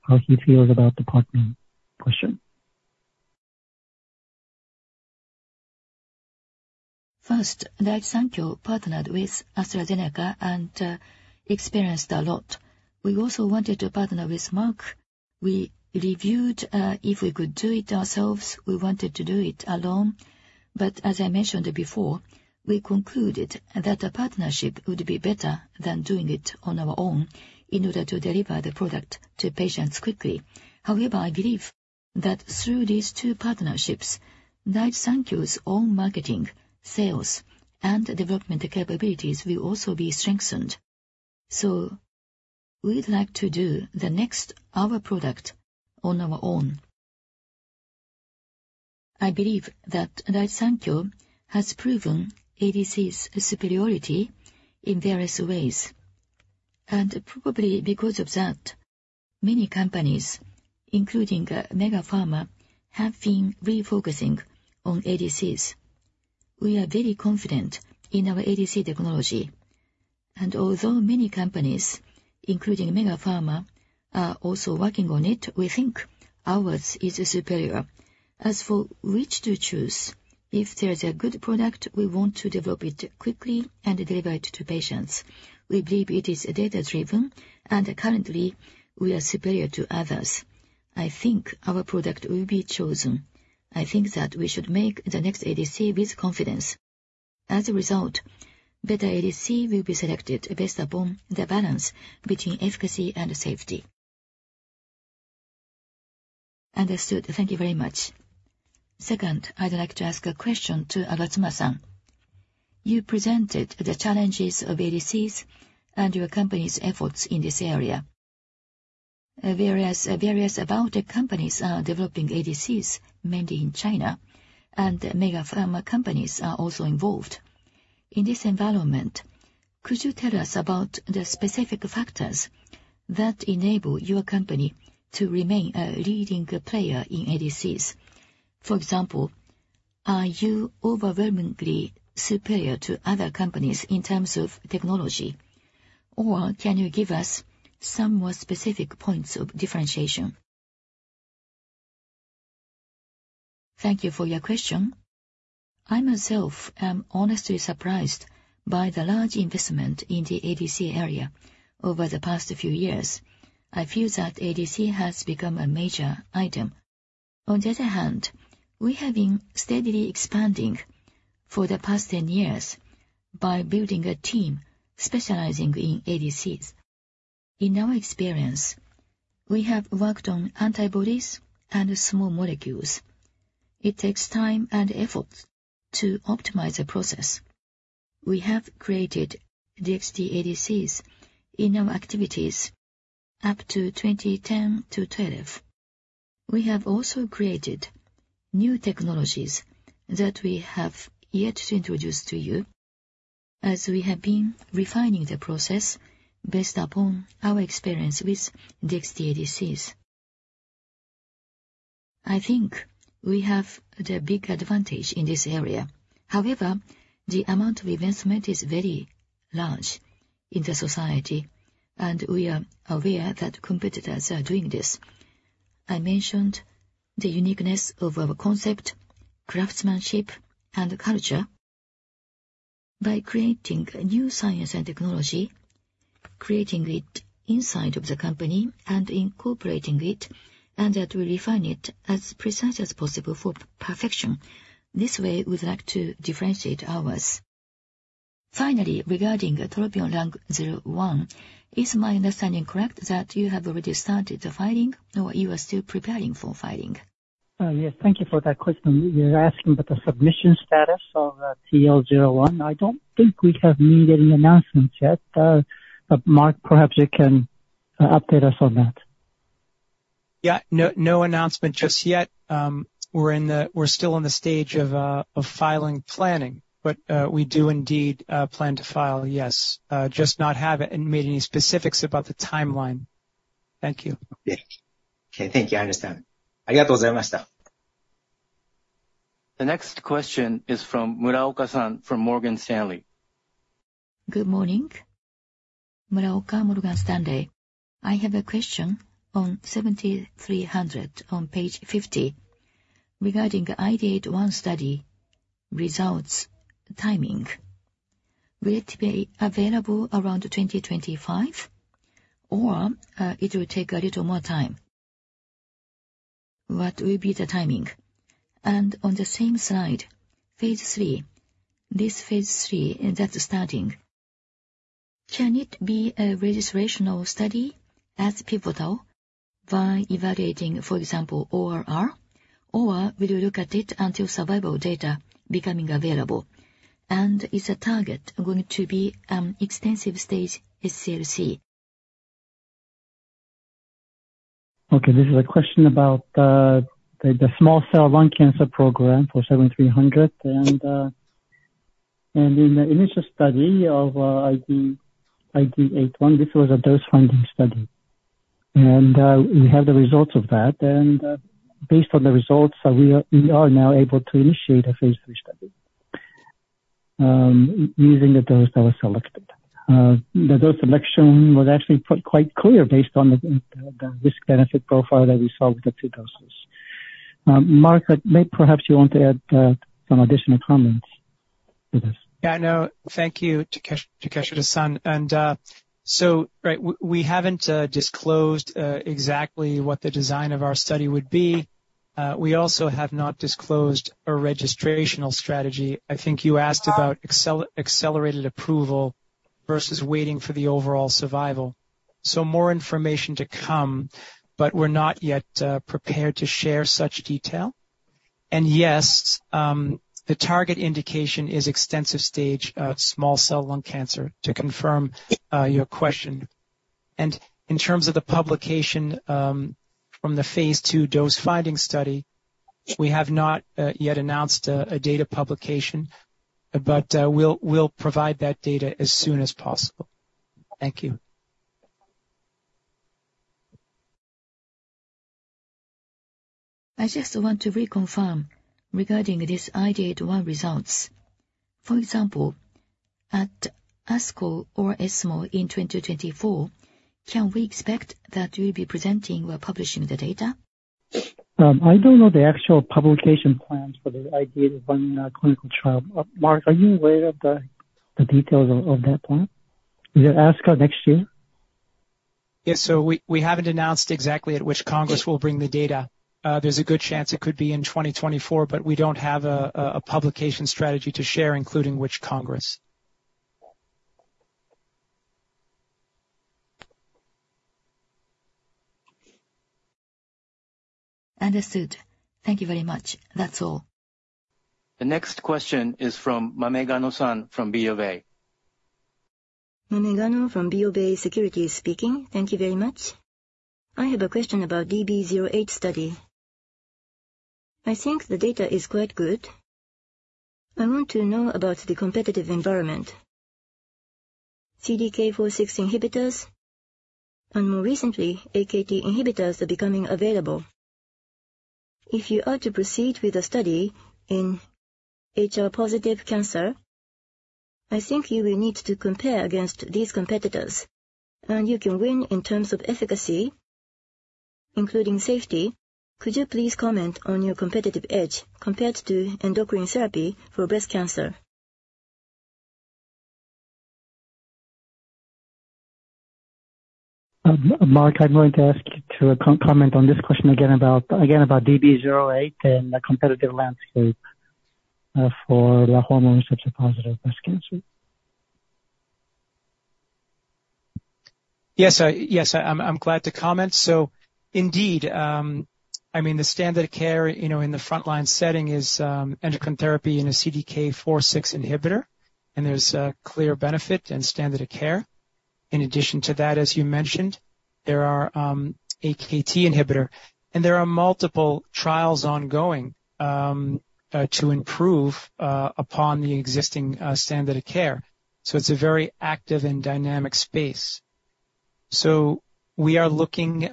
how he feels about the partnering question. First, Daiichi Sankyo partnered with AstraZeneca and experienced a lot. We also wanted to partner with Merck. We reviewed if we could do it ourselves, we wanted to do it alone. But as I mentioned before, we concluded that a partnership would be better than doing it on our own in order to deliver the product to patients quickly. However, I believe that through these two partnerships, Daiichi Sankyo's own marketing, sales, and development capabilities will also be strengthened. So we'd like to do the next our product on our own. I believe that Daiichi Sankyo has proven ADCs superiority in various ways, and probably because of that, many companies, including Mega Pharma, have been refocusing on ADCs. We are very confident in our ADC Technology, and although many companies, including Mega Pharma, are also working on it, we think ours is superior. As for which to choose, if there's a good product, we want to develop it quickly and deliver it to patients. We believe it is data-driven, and currently, we are superior to others. I think our product will be chosen. I think that we should make the next ADC with confidence. As a result, better ADC will be selected based upon the balance between efficacy and safety. Understood. Thank you very much. Second, I'd like to ask a question to Agatsuma-san. You presented the challenges of ADCs and your company's efforts in this area. Various biotech companies are developing ADCs, mainly in China, and Mega Pharma companies are also involved. In this environment, could you tell us about the specific factors that enable your company to remain a leading player in ADCs? For example, are you overwhelmingly superior to other companies in terms of technology, or can you give us some more specific points of differentiation? Thank you for your question. I myself am honestly surprised by the large investment in the ADC area over the past few years. I feel that ADC has become a major item. On the other hand, we have been steadily expanding for the past 10 years by building a team specializing in ADCs. In our experience, we have worked on antibodies and small molecules. It takes time and effort to optimize the process. We have created the DXd-ADCs in our activities up to 2010 to 2012. We have also created new technologies that we have yet to introduce to you, as we have been refining the process based upon our experience with DXd-ADCs. I think we have the big advantage in this area. However, the amount of investment is very large in the society, and we are aware that competitors are doing this. I mentioned the uniqueness of our concept, craftsmanship, and culture. By creating new science and technology, creating it inside of the company and incorporating it, and that we refine it as precise as possible for perfection. This way, we'd like to differentiate ours. Finally, regarding TROPION-LUNG01, is my understanding correct that you have already started the filing, or you are still preparing for filing? Yes, thank you for that question. You're asking about the submission status of TL-01. I don't think we have made any announcements yet. But Mark, perhaps you can update us on that. Yeah. No, no announcement just yet. We're still in the stage of, of filing planning, but, we do indeed, plan to file, yes. Just not have it and made any specifics about the timeline. Thank you. Okay, thank you. I understand. The next question is from Muraoka-san, from Morgan Stanley. Good morning. Muraoka, Morgan Stanley. I have a question on DS-7300 on page 50, regarding the IDeate-1 study results timing. Will it be available around 2025, or it will take a little more time? What will be the timing? And on the same slide, phase III. This phase III that's starting, can it be a registrational study as pivotal by evaluating, for example, ORR, or will you look at it until survival data becoming available? And is the target going to be extensive stage SCLC? Okay, this is a question about the small cell lung cancer program for DS-7300. In the initial study of IDeate-1, this was a dose-finding study. We have the results of that. Based on the results, we are now able to initiate a phase IIII study using the dose that was selected. The dose selection was actually quite clear based on the risk-benefit profile that we saw with the two doses. Mark, may perhaps you want to add some additional comments to this? Yeah, no, thank you, Takeshita-san. And, so right, we haven't disclosed exactly what the design of our study would be. We also have not disclosed a registrational strategy. I think you asked about accelerated approval versus waiting for the overall survival. So more information to come, but we're not yet prepared to share such detail. And yes, the target indication is extensive stage of small cell lung cancer, to confirm your question. And in terms of the publication from the phase II dose-finding study, we have not yet announced a data publication, but we'll provide that data as soon as possible. Thank you. I just want to reconfirm regarding this IDeate-1 results. For example, at ASCO or ESMO in 2024, can we expect that you'll be presenting or publishing the data? I don't know the actual publication plans for the IDeate-1 clinical trial. Mark, are you aware of the details of that point? Is it ASCO next year? Yes. So we haven't announced exactly at which Congress we'll bring the data. There's a good chance it could be in 2024, but we don't have a publication strategy to share, including which Congress. Understood. Thank you very much. That's all. The next question is from Mamegano San from BofA. Mamegano from BofA Securities speaking. Thank you very much. I have a question about the DESTINY-Breast08 study. I think the data is quite good. I want to know about the competitive environment. CDK4/6 inhibitors, and more recently, AKT inhibitors are becoming available. If you are to proceed with the study in HER-positive cancer, I think you will need to compare against these competitors, and you can win in terms of efficacy, including safety. Could you please comment on your competitive edge compared to endocrine therapy for breast cancer? Mark, I'd like to ask you to comment on this question again about DB08 and the competitive landscape for the hormone receptor-positive breast cancer. Yes, I'm glad to comment. So indeed, I mean, the standard of care, you know, in the frontline setting is endocrine therapy and a CDK4/6 inhibitor, and there's a clear benefit and standard of care. In addition to that, as you mentioned, there are AKT inhibitor, and there are multiple trials ongoing to improve upon the existing standard of care. So it's a very active and dynamic space. So we are looking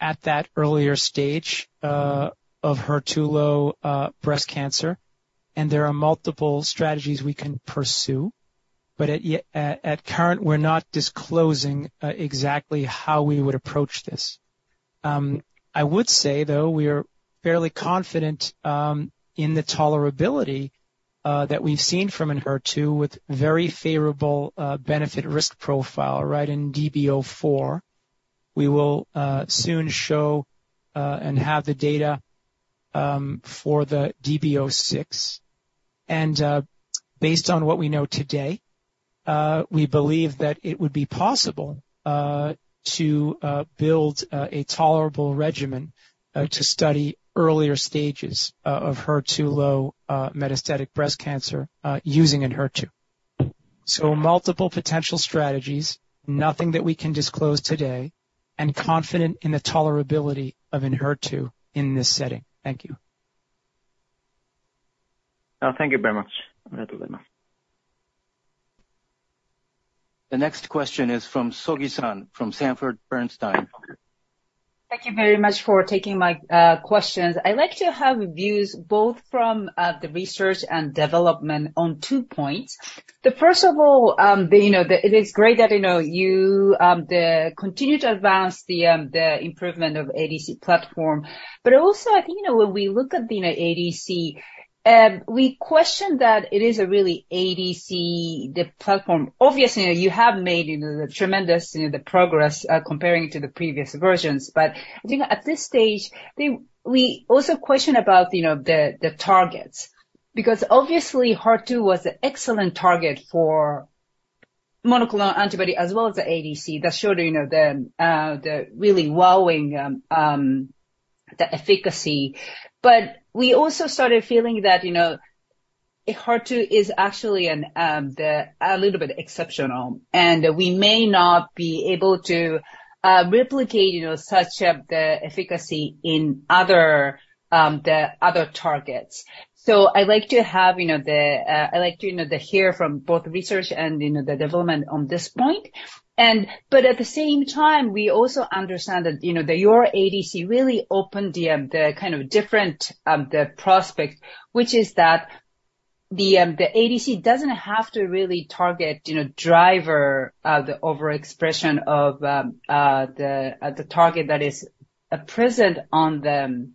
at that earlier stage of HER2-low breast cancer, and there are multiple strategies we can pursue, but at current, we're not disclosing exactly how we would approach this. I would say, though, we are fairly confident in the tolerability that we've seen from Enhertu with very favorable benefit-risk profile right in DB04. We will soon show and have the data for the DB06. And based on what we know today, we believe that it would be possible to build a tolerable regimen to study earlier stages of HER2-low metastatic breast cancer using Enhertu. So multiple potential strategies, nothing that we can disclose today, and confident in the tolerability of Enhertu in this setting. Thank you. Thank you very much. The next question is from Sogi-san, from Sanford Bernstein. Thank you very much for taking my questions. I'd like to have views both from the research and development on two points. The first of all, you know, it is great that, you know, you continue to advance the improvement of ADC platform. But also, I think, you know, when we look at, you know, ADC, we question that it is a really ADC, the platform. Obviously, you have made, you know, the tremendous, you know, the progress, comparing to the previous versions. But I think at this stage, we also question about, you know, the targets, because obviously, HER2 was an excellent target for monoclonal antibody as well as the ADC, that showed, you know, the really wowing, the efficacy. But we also started feeling that, you know, HER2 is actually a little bit exceptional, and we may not be able to replicate, you know, such efficacy in other targets. So I'd like to have, you know, I'd like to, you know, to hear from both research and, you know, the development on this point. But at the same time, we also understand that, you know, that your ADC really opened the kind of different prospect, which is that the ADC doesn't have to really target, you know, driver, the overexpression of the target that is present on the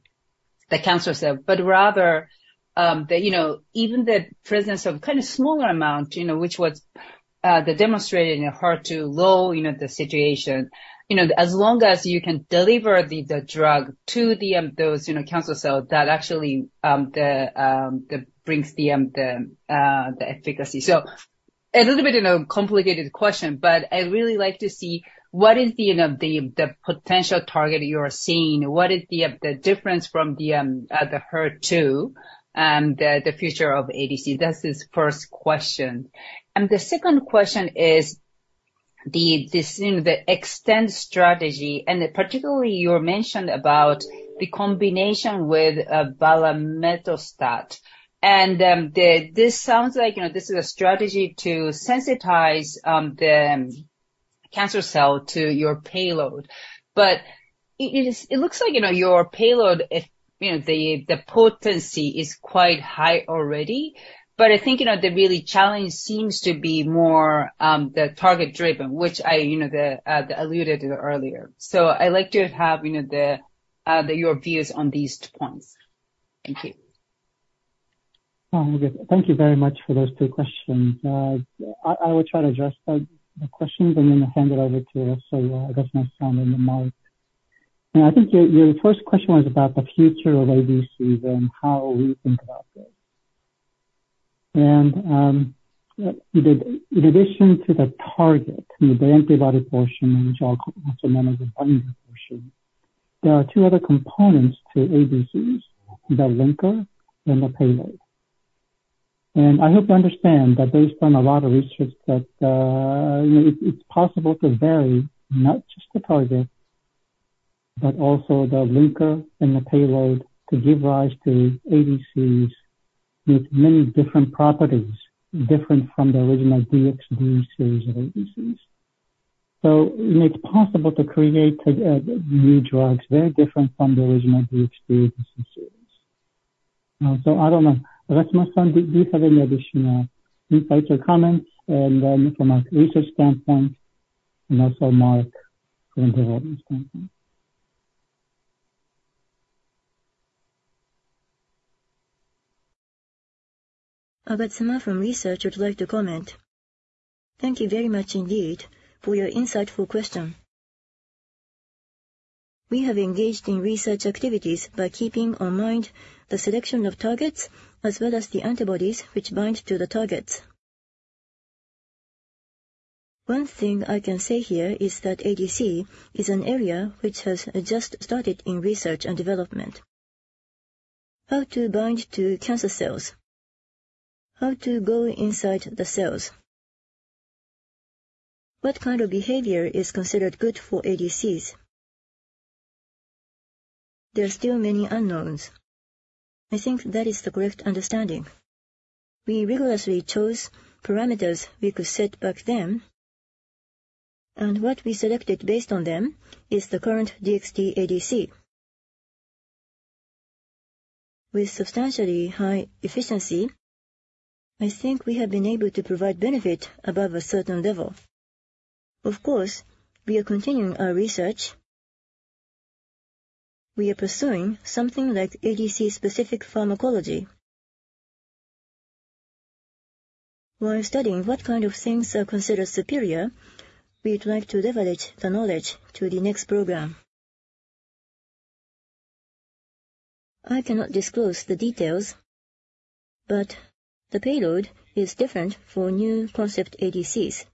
cancer cell. But rather, you know, even the presence of kind of smaller amount, you know, which was demonstrated in HER2-low, you know, the situation. You know, as long as you can deliver the drug to the, those, you know, cancer cell, that actually brings the efficacy. A little bit in a complicated question, but I'd really like to see what is the, you know, the potential target you are seeing? What is the difference from the HER2, the future of ADC? That's the first question. And the second question is the Extend strategy, and particularly, you mentioned about the combination with valemetostat. And this sounds like, you know, this is a strategy to sensitize the cancer cell to your payload. But it is—it looks like, you know, your payload, you know, the potency is quite high already. But I think, you know, the real challenge seems to be more the target-driven, which I, you know, alluded to earlier. So I like to have, you know, your views on these two points. Thank you. Oh, good. Thank you very much for those two questions. I will try to address the questions and then hand it over to Agatsuma, I guess, Manabe on the mic. And I think your first question was about the future of ADCs and how we think about this. And, in addition to the target, the antibody portion, which are also known as the binder portion, there are two other components to ADCs, the linker and the payload. And I hope you understand that based on a lot of research, that, you know, it's possible to vary not just the target, but also the linker and the payload, to give rise to ADCs with many different properties, different from the original DXd series of ADCs. So it's possible to create new drugs, very different from the original DXd-ADC series. So I don't know, Agatsuma-san, do you have any additional insights or comments from a research standpoint, and also Mark, from development standpoint? Agatsuma from research would like to comment. Thank you very much indeed for your insightful question. We have engaged in research activities by keeping in mind the selection of targets, as well as the antibodies which bind to the targets. One thing I can say here is that ADC is an area which has just started in research and development. How to bind to cancer cells? How to go inside the cells? What kind of behavior is considered good for ADCs? There are still many unknowns. I think that is the correct understanding. We rigorously chose parameters we could set back then, and what we selected based on them is the current DXd-ADC. With substantially high efficiency, I think we have been able to provide benefit above a certain level. Of course, we are continuing our research. We are pursuing something like ADC-specific pharmacology. While studying what kind of things are considered superior, we'd like to leverage the knowledge to the next program. I cannot disclose the details, but the payload is different for new concept ADCs.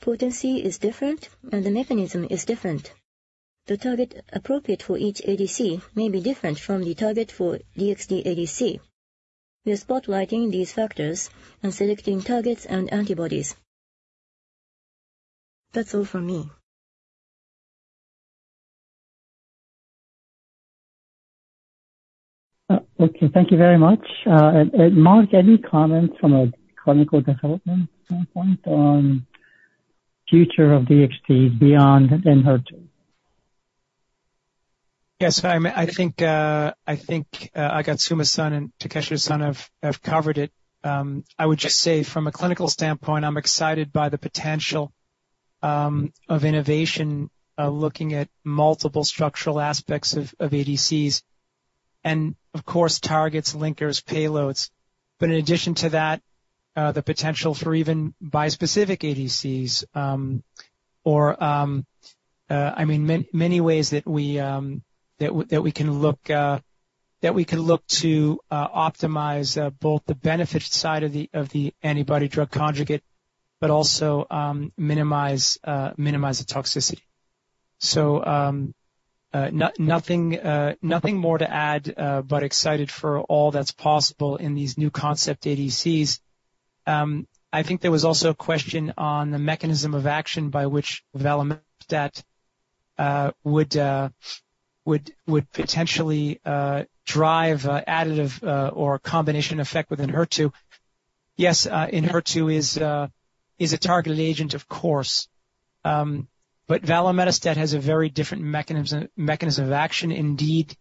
Potency is different, and the mechanism is different. The target appropriate for each ADC may be different from the target for DXd-ADC. We are spotlighting these factors and selecting targets and antibodies. That's all from me. Okay, thank you very much. And Mark, any comments from a clinical development standpoint on future of DXd beyond in HER2? Yes, I think Agatsuma-san and Takeshita-san have covered it. I would just say from a clinical standpoint, I'm excited by the potential of innovation looking at multiple structural aspects of ADCs, and of course, targets, linkers, payloads. But in addition to that, the potential for even bispecific ADCs, or, I mean, many ways that we can look to optimize both the benefit side of the antibody drug conjugate, but also, minimize the toxicity. So, nothing more to add, but excited for all that's possible in these new concept ADCs. I think there was also a question on the mechanism of action by which valemetostat would potentially drive additive or combination effect with HER2. Yes, HER2 is a targeted agent, of course. But valemetostat has a very different mechanism of action indeed.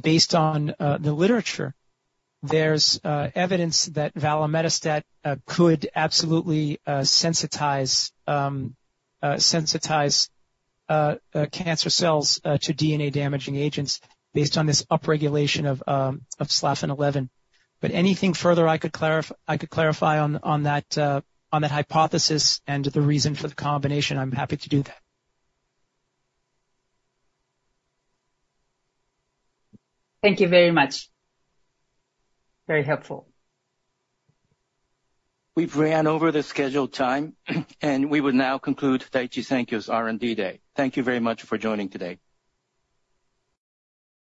Based on the literature, there's evidence that valemetostat could absolutely sensitize cancer cells to DNA-damaging agents based on this upregulation of SLFN11. But anything further I could clarify on that hypothesis and the reason for the combination, I'm happy to do that. Thank you very much. Very helpful. We've run over the scheduled time, and we will now conclude Daiichi Sankyo's R&D Day. Thank you very much for joining today.